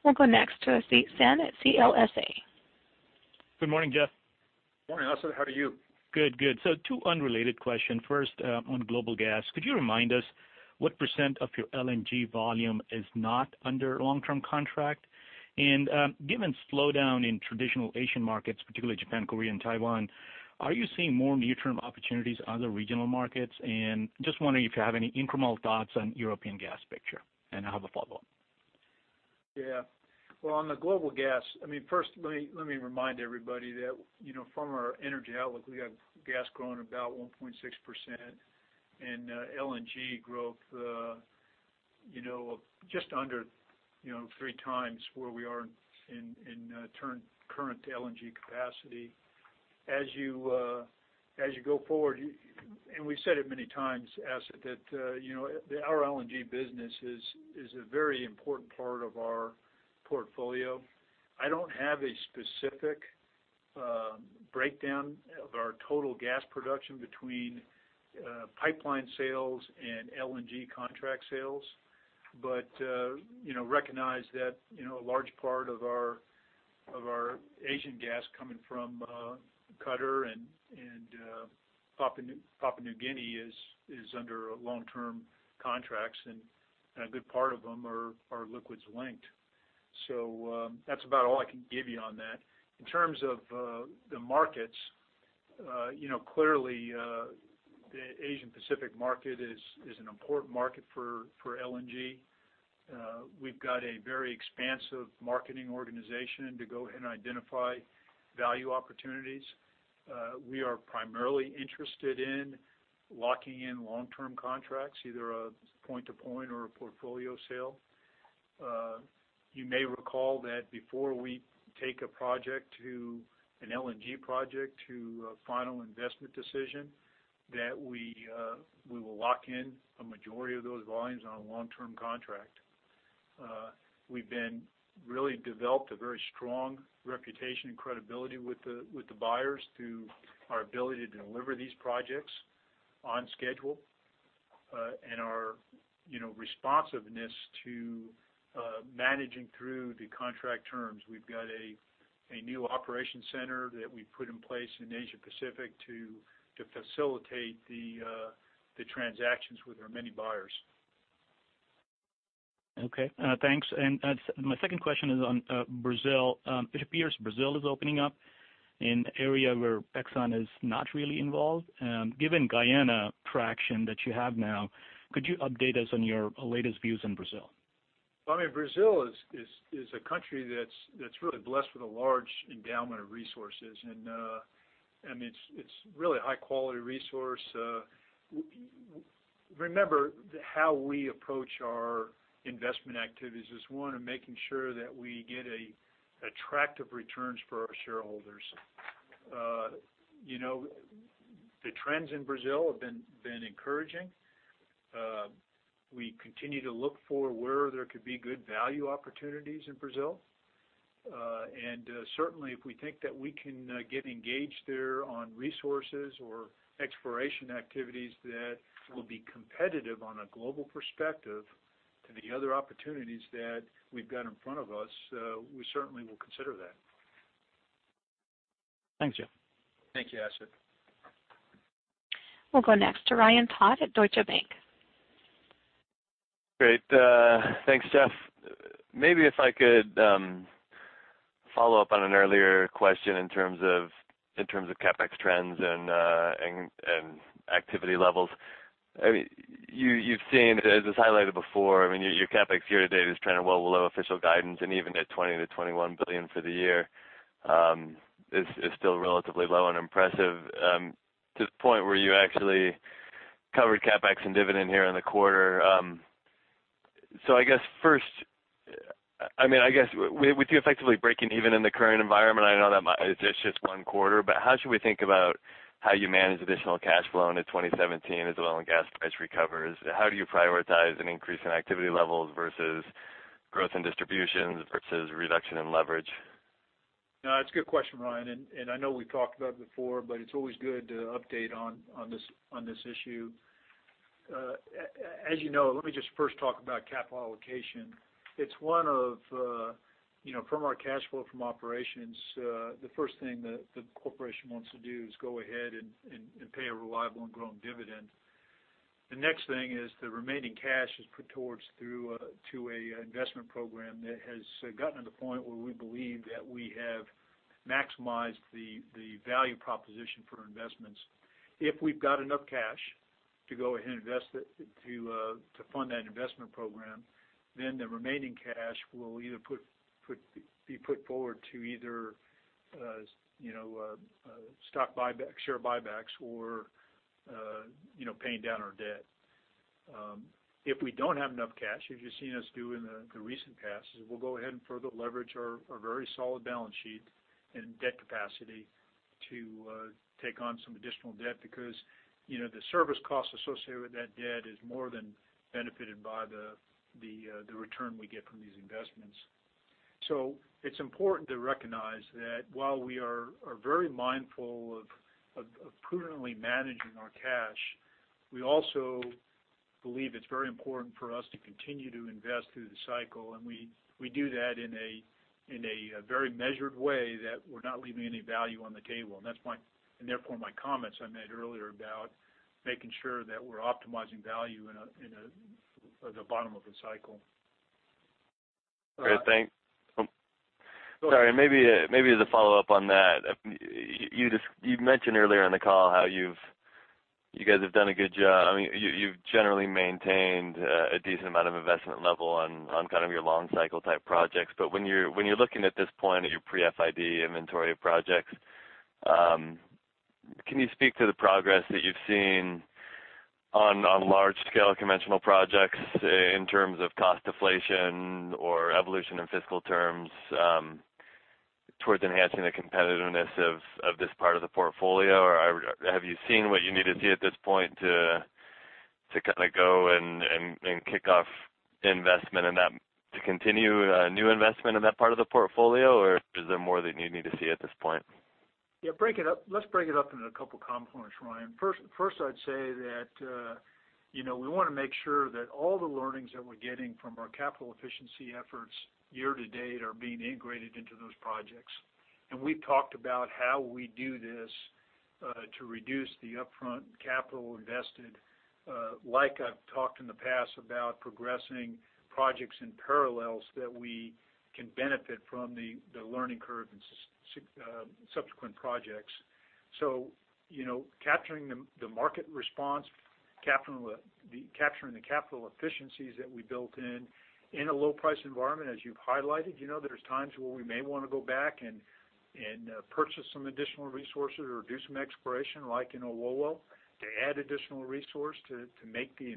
We'll go next to Asit Sen at CLSA. Good morning, Asit. How are you? Good. Two unrelated question. First, on global gas, could you remind us what % of your LNG volume is not under long-term contract? Given slowdown in traditional Asian markets, particularly Japan, Korea, and Taiwan, are you seeing more near-term opportunities, other regional markets? Just wondering if you have any incremental thoughts on European gas picture. I have a follow-up. Yeah. Well, on the global gas, first, let me remind everybody that from our energy outlook, we have gas growing about 1.6% and LNG growth Just under three times where we are in current LNG capacity. As you go forward, we've said it many times, Asit, that our LNG business is a very important part of our portfolio. I don't have a specific breakdown of our total gas production between pipeline sales and LNG contract sales. Recognize that a large part of our Asian gas coming from Qatar and Papua New Guinea is under long-term contracts, and a good part of them are liquids linked. That's about all I can give you on that. In terms of the markets, clearly, the Asian Pacific market is an important market for LNG. We've got a very expansive marketing organization to go ahead and identify value opportunities. We are primarily interested in locking in long-term contracts, either a point-to-point or a portfolio sale. You may recall that before we take an LNG project to a final investment decision, that we will lock in a majority of those volumes on a long-term contract. We've really developed a very strong reputation and credibility with the buyers through our ability to deliver these projects on schedule, and our responsiveness to managing through the contract terms. We've got a new operation center that we put in place in Asia Pacific to facilitate the transactions with our many buyers. Okay. Thanks. My second question is on Brazil. It appears Brazil is opening up in the area where Exxon is not really involved. Given Guyana traction that you have now, could you update us on your latest views in Brazil? Brazil is a country that's really blessed with a large endowment of resources, and it's really high-quality resource. Remember that how we approach our investment activities is, one, in making sure that we get attractive returns for our shareholders. The trends in Brazil have been encouraging. We continue to look for where there could be good value opportunities in Brazil. Certainly, if we think that we can get engaged there on resources or exploration activities that will be competitive on a global perspective to the other opportunities that we've got in front of us, we certainly will consider that. Thanks, Jeff. Thank you, Asit. We'll go next to Ryan Todd at Deutsche Bank. Great. Thanks, Jeff. Maybe if I could follow up on an earlier question in terms of CapEx trends and activity levels. You've seen, as was highlighted before, your CapEx year-to-date is trending well below official guidance. Even at $20 billion to $21 billion for the year is still relatively low and impressive to the point where you actually covered CapEx and dividend here in the quarter. I guess first, with you effectively breaking even in the current environment, I know that it's just one quarter, but how should we think about how you manage additional cash flow into 2017 as oil and gas price recovers? How do you prioritize an increase in activity levels versus growth in distributions versus reduction in leverage? No, it's a good question, Ryan, and I know we've talked about it before, but it's always good to update on this issue. As you know, let me just first talk about capital allocation. From our cash flow from operations, the first thing that the corporation wants to do is go ahead and pay a reliable and growing dividend. The next thing is the remaining cash is put towards to an investment program that has gotten to the point where we believe that we have maximized the value proposition for investments. If we've got enough cash to go ahead and invest it to fund that investment program, the remaining cash will either be put forward to either stock buybacks, share buybacks, or paying down our debt. If we don't have enough cash, as you've seen us do in the recent past, is we'll go ahead and further leverage our very solid balance sheet and debt capacity to take on some additional debt because the service cost associated with that debt is more than benefited by the return we get from these investments. It's important to recognize that while we are very mindful of prudently managing our cash, we also believe it's very important for us to continue to invest through the cycle. We do that in a very measured way that we're not leaving any value on the table. Therefore my comments I made earlier about making sure that we're optimizing value in the bottom of the cycle. Great, thanks. Sorry, maybe as a follow-up on that. You mentioned earlier in the call how you guys have done a good job. You've generally maintained a decent amount of investment level on your long cycle type projects. When you're looking at this point at your pre-FID inventory of projects, can you speak to the progress that you've seen on large-scale conventional projects in terms of cost deflation or evolution in fiscal terms towards enhancing the competitiveness of this part of the portfolio? Or have you seen what you need to see at this point to go and kick off investment to continue new investment in that part of the portfolio? Or is there more that you need to see at this point? Let's break it up into a couple components, Ryan. First, I'd say that we want to make sure that all the learnings that we're getting from our capital efficiency efforts year to date are being integrated into those projects. We've talked about how we do this to reduce the upfront capital invested, like I've talked in the past about progressing projects in parallels that we can benefit from the learning curve in subsequent projects. Capturing the market response, capturing the capital efficiencies that we built in a low price environment, as you've highlighted, there's times where we may want to go back and purchase some additional resources or do some exploration, like in Owowo, to add additional resource to make the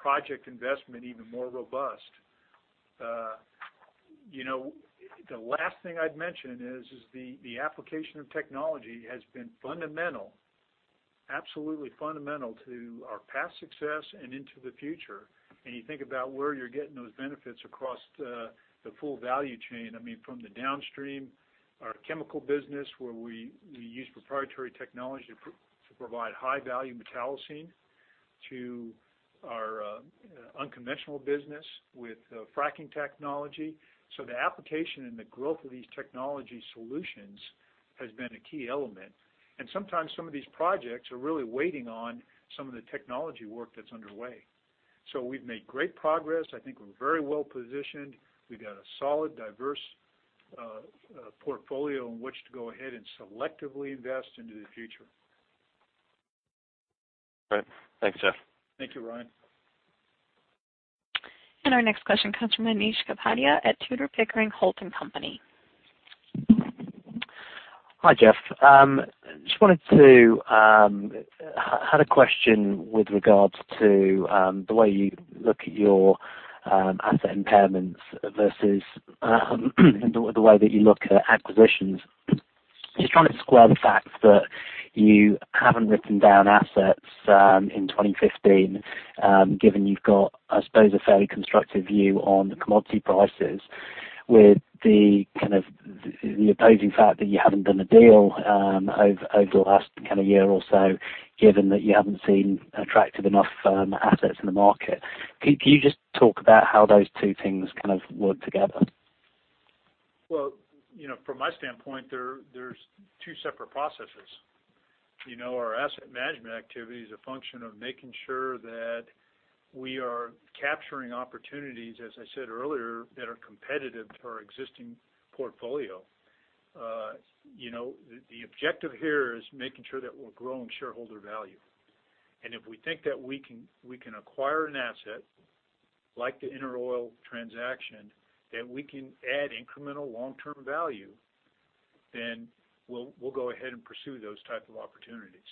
project investment even more robust. The last thing I'd mention is the application of technology has been fundamental, absolutely fundamental to our past success and into the future. You think about where you're getting those benefits across the full value chain. I mean, from the downstream, our chemical business, where we use proprietary technology to provide high-value metallocene, to our unconventional business with fracking technology. The application and the growth of these technology solutions has been a key element. Sometimes some of these projects are really waiting on some of the technology work that's underway. We've made great progress. I think we're very well positioned. We've got a solid, diverse portfolio in which to go ahead and selectively invest into the future. Right. Thanks, Jeff. Thank you, Ryan. Our next question comes from Anish Kapadia at Tudor, Pickering, Holt & Co.. Hi, Jeff. I had a question with regards to the way you look at your asset impairments versus the way that you look at acquisitions. Just trying to square the fact that you haven't written down assets in 2015, given you've got, I suppose, a fairly constructive view on the commodity prices with the opposing fact that you haven't done a deal over the last year or so, given that you haven't seen attractive enough assets in the market. Can you just talk about how those two things work together? Well, from my standpoint, there's two separate processes. Our asset management activity is a function of making sure that we are capturing opportunities, as I said earlier, that are competitive to our existing portfolio. The objective here is making sure that we're growing shareholder value. If we think that we can acquire an asset like the InterOil transaction, that we can add incremental long-term value, then we'll go ahead and pursue those type of opportunities.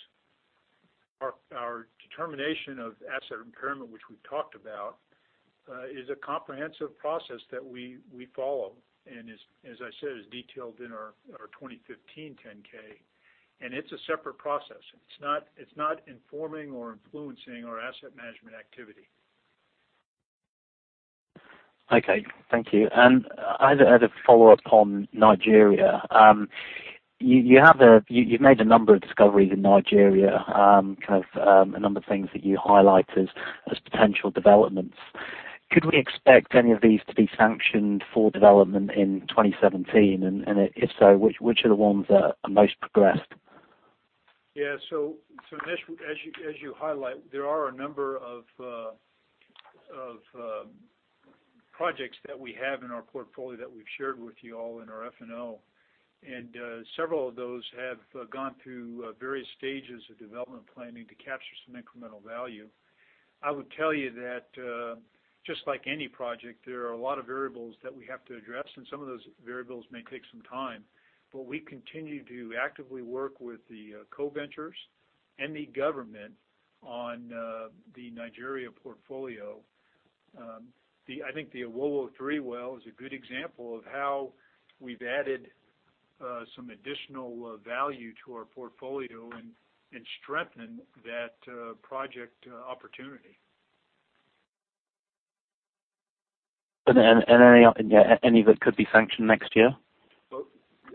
Our determination of asset impairment, which we've talked about, is a comprehensive process that we follow and as I said, is detailed in our 2015 10-K, and it's a separate process. It's not informing or influencing our asset management activity. Okay, thank you. I had a follow-up on Nigeria. You've made a number of discoveries in Nigeria, a number of things that you highlight as potential developments. Could we expect any of these to be sanctioned for development in 2017? If so, which are the ones that are most progressed? Yeah. Anish, as you highlight, there are a number of projects that we have in our portfolio that we've shared with you all in our F&O. Several of those have gone through various stages of development planning to capture some incremental value. I would tell you that just like any project, there are a lot of variables that we have to address, and some of those variables may take some time. We continue to actively work with the co-ventures and the government on the Nigeria portfolio. I think the Owowo-3 well is a good example of how we've added some additional value to our portfolio and strengthened that project opportunity. Any that could be sanctioned next year? Well,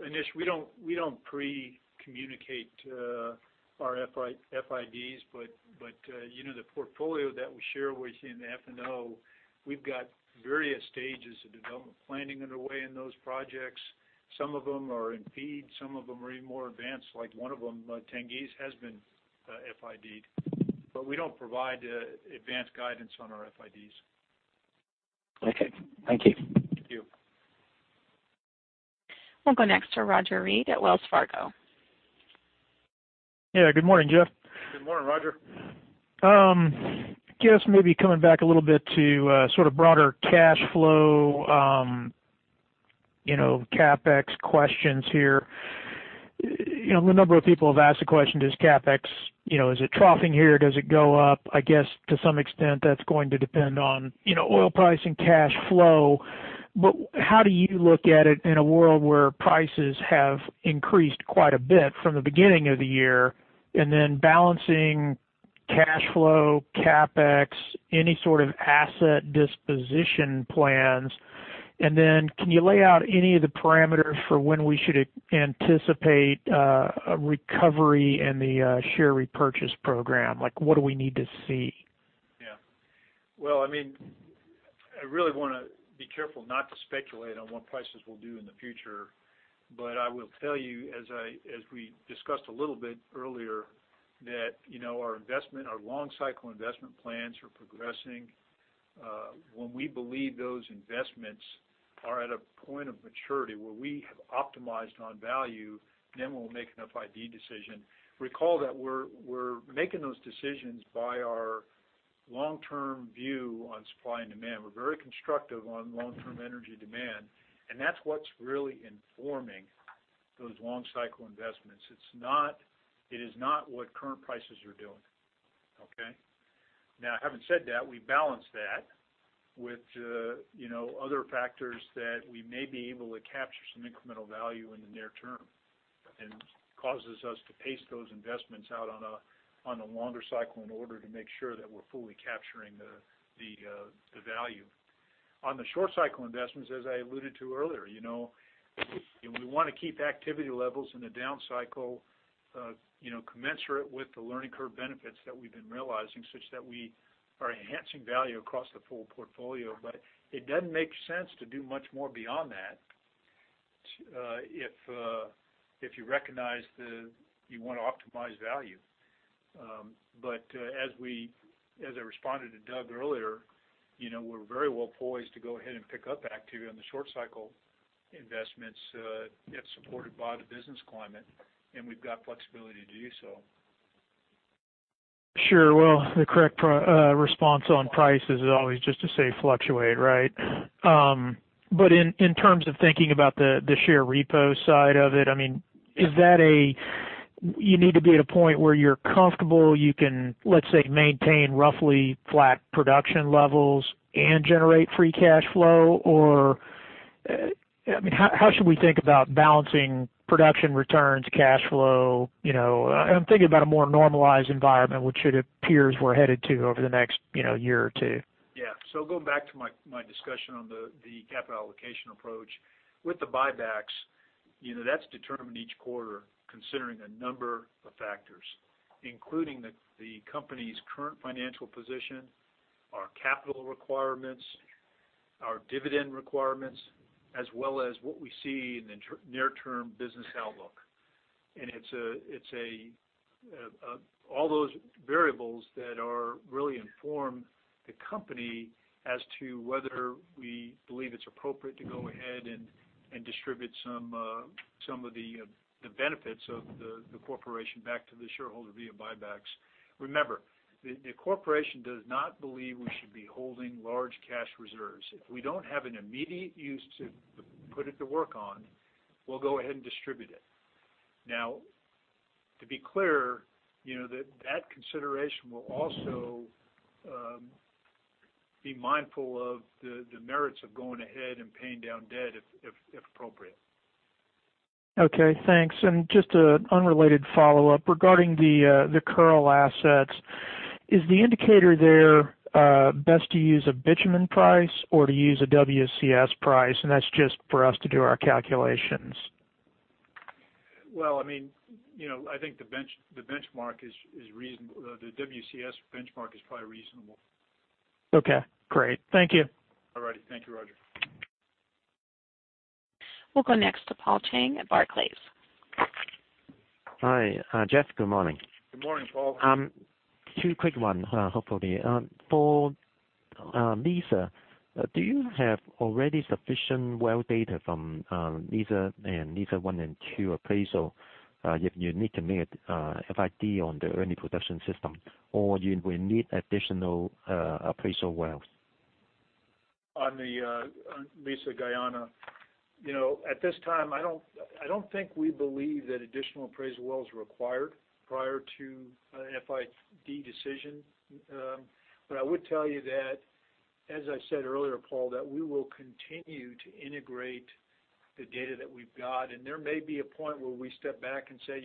Anish, we don't pre-communicate our FIDs, the portfolio that we share with you in the F&O, we've got various stages of development planning underway in those projects. Some of them are in FEED, some of them are even more advanced, like one of them, Tengiz, has been FID'd. We don't provide advanced guidance on our FIDs. Okay. Thank you. Thank you. We'll go next to Roger Read at Wells Fargo. Yeah. Good morning, Jeff. Good morning, Roger. I guess maybe coming back a little bit to broader cash flow CapEx questions here. A number of people have asked the question, does CapEx, is it troughing here? Does it go up? I guess to some extent that's going to depend on oil price and cash flow. How do you look at it in a world where prices have increased quite a bit from the beginning of the year, then balancing cash flow, CapEx, any sort of asset disposition plans? Can you lay out any of the parameters for when we should anticipate a recovery in the share repurchase program? What do we need to see? Well, I really want to be careful not to speculate on what prices will do in the future. I will tell you, as we discussed a little bit earlier, that our long-cycle investment plans are progressing. When we believe those investments are at a point of maturity where we have optimized on value, we'll make an FID decision. Recall that we're making those decisions by our long-term view on supply and demand. We're very constructive on long-term energy demand, that's what's really informing those long-cycle investments. It is not what current prices are doing. Okay? Having said that, we balance that with other factors that we may be able to capture some incremental value in the near term and causes us to pace those investments out on a longer cycle in order to make sure that we're fully capturing the value. On the short-cycle investments, as I alluded to earlier, we want to keep activity levels in the down cycle commensurate with the learning curve benefits that we've been realizing, such that we are enhancing value across the full portfolio. It doesn't make sense to do much more beyond that if you recognize you want to optimize value. As I responded to Doug earlier, we're very well poised to go ahead and pick up activity on the short-cycle investments if supported by the business climate, we've got flexibility to do so. Well, the correct response on prices is always just to say fluctuate, right? In terms of thinking about the share repo side of it, you need to be at a point where you're comfortable you can, let's say, maintain roughly flat production levels and generate free cash flow? How should we think about balancing production returns, cash flow? I'm thinking about a more normalized environment, which it appears we're headed to over the next year or two. Yeah. Going back to my discussion on the capital allocation approach. With the buybacks, that's determined each quarter considering a number of factors, including the company's current financial position, our capital requirements, our dividend requirements, as well as what we see in the near-term business outlook. All those variables that really inform the company as to whether we believe it's appropriate to go ahead and distribute some of the benefits of the corporation back to the shareholder via buybacks. Remember, the corporation does not believe we should be holding large cash reserves. If we don't have an immediate use to put it to work on, we'll go ahead and distribute it. To be clear, that consideration will also be mindful of the merits of going ahead and paying down debt if appropriate. Okay, thanks. Just an unrelated follow-up regarding the Kearl assets. Is the indicator there best to use a bitumen price or to use a WCS price, and that's just for us to do our calculations? Well, I think the WCS benchmark is probably reasonable. Okay, great. Thank you. All righty. Thank you, Roger. We'll go next to Paul Cheng at Barclays. Hi, Jeff. Good morning. Good morning, Paul. Two quick ones, hopefully. For Liza, do you have already sufficient well data from Liza and Liza-1 and 2 appraisal if you need to make FID on the early production system, or you will need additional appraisal wells? At this time, I don't think we believe that additional appraisal wells are required prior to an FID decision. I would tell you that, as I said earlier, Paul, that we will continue to integrate the data that we've got, and there may be a point where we step back and say,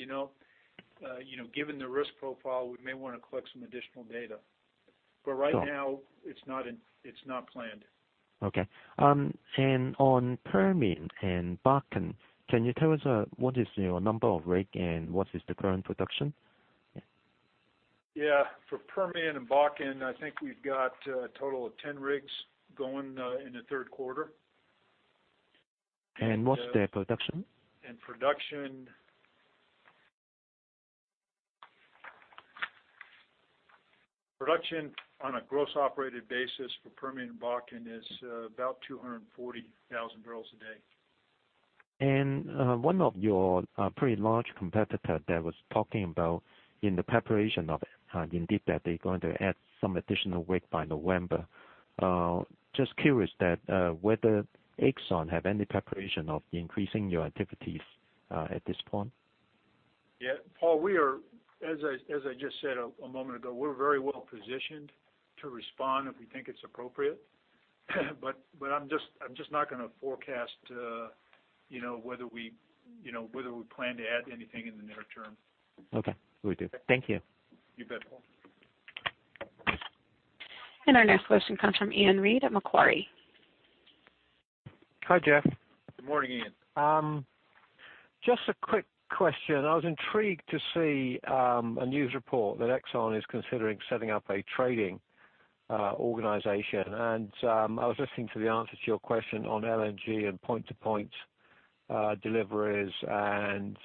"Given the risk profile, we may want to collect some additional data." Right now, it's not planned. Okay. On Permian and Bakken, can you tell us what is your number of rig and what is the current production? Yeah. For Permian and Bakken, I think we've got a total of 10 rigs going in the third quarter. What's their production? Production on a gross operated basis for Permian and Bakken is about 240,000 barrels a day. One of your pretty large competitor that was talking about in the preparation [part], Indeed that they're going to add some additional rig by November. Just curious that whether Exxon have any preparation of increasing your activities at this point? Yeah. Paul, as I just said a moment ago, we're very well positioned to respond if we think it's appropriate. I'm just not going to forecast whether we plan to add anything in the near term. Okay. Will do. Thank you. You bet, Paul. Our next question comes from Iain Reid at Macquarie. Hi, Jeff. Good morning, Iain. Just a quick question. I was intrigued to see a news report that Exxon is considering setting up a trading organization. I was listening to the answer to your question on LNG and point-to-point deliveries, and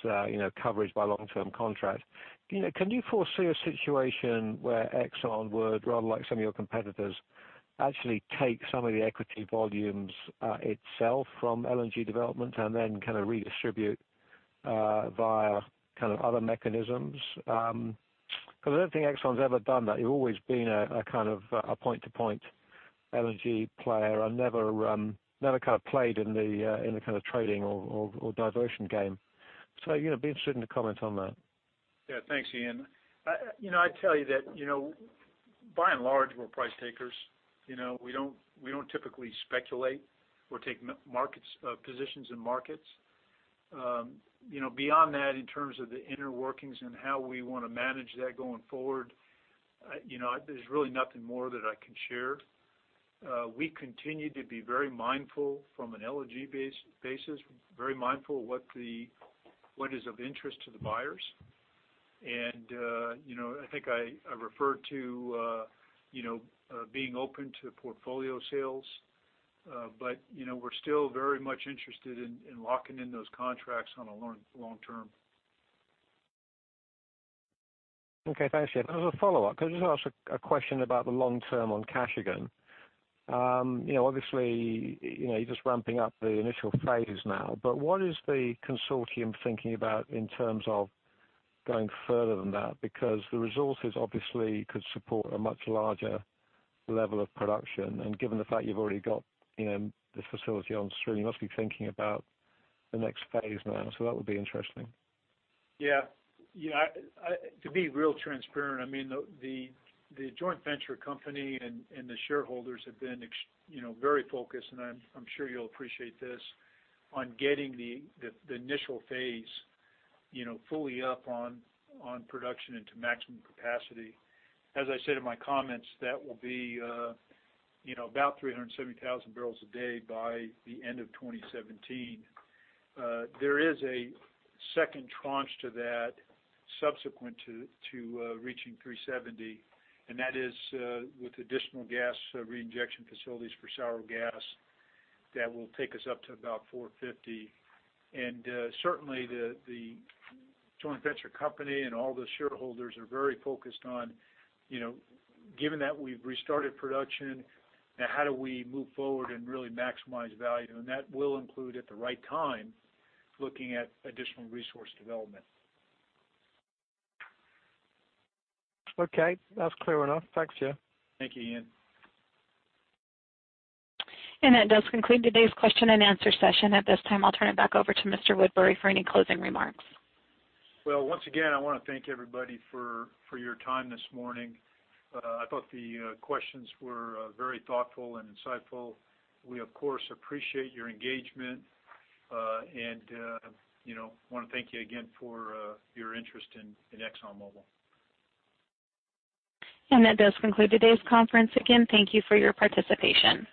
coverage by long-term contract. Can you foresee a situation where Exxon would, rather like some of your competitors, actually take some of the equity volumes itself from LNG development and then kind of redistribute via other mechanisms? I don't think Exxon's ever done that. You've always been a kind of point-to-point LNG player and never played in the kind of trading or diversion game. Be interested in a comment on that. Thanks, Iain. I tell you that, by and large, we're price takers. We don't typically speculate or take positions in markets. Beyond that, in terms of the inner workings and how we want to manage that going forward, there's really nothing more that I can share. We continue to be very mindful from an LNG basis, very mindful what is of interest to the buyers. I think I referred to being open to portfolio sales. We're still very much interested in locking in those contracts on a long-term. Thanks, Jeff. As a follow-up, can I just ask a question about the long term on Kashagan? Obviously, you're just ramping up the initial phase now, what is the consortium thinking about in terms of going further than that? The resources obviously could support a much larger level of production. Given the fact you've already got this facility on stream, you must be thinking about the next phase now. That would be interesting. Yeah. To be real transparent, the joint venture company and the shareholders have been very focused, and I'm sure you'll appreciate this, on getting the initial phase fully up on production into maximum capacity. As I said in my comments, that will be about 370,000 barrels a day by the end of 2017. There is a second tranche to that subsequent to reaching 370, and that is with additional gas reinjection facilities for sour gas that will take us up to about 450. Certainly, the joint venture company and all the shareholders are very focused on, given that we've restarted production, now how do we move forward and really maximize value? That will include at the right time, looking at additional resource development. Okay. That's clear enough. Thanks, Jeff. Thank you, Iain. That does conclude today's question and answer session. At this time, I'll turn it back over to Mr. Woodbury for any closing remarks. Well, once again, I want to thank everybody for your time this morning. I thought the questions were very thoughtful and insightful. We, of course, appreciate your engagement. I want to thank you again for your interest in ExxonMobil. That does conclude today's conference. Again, thank you for your participation.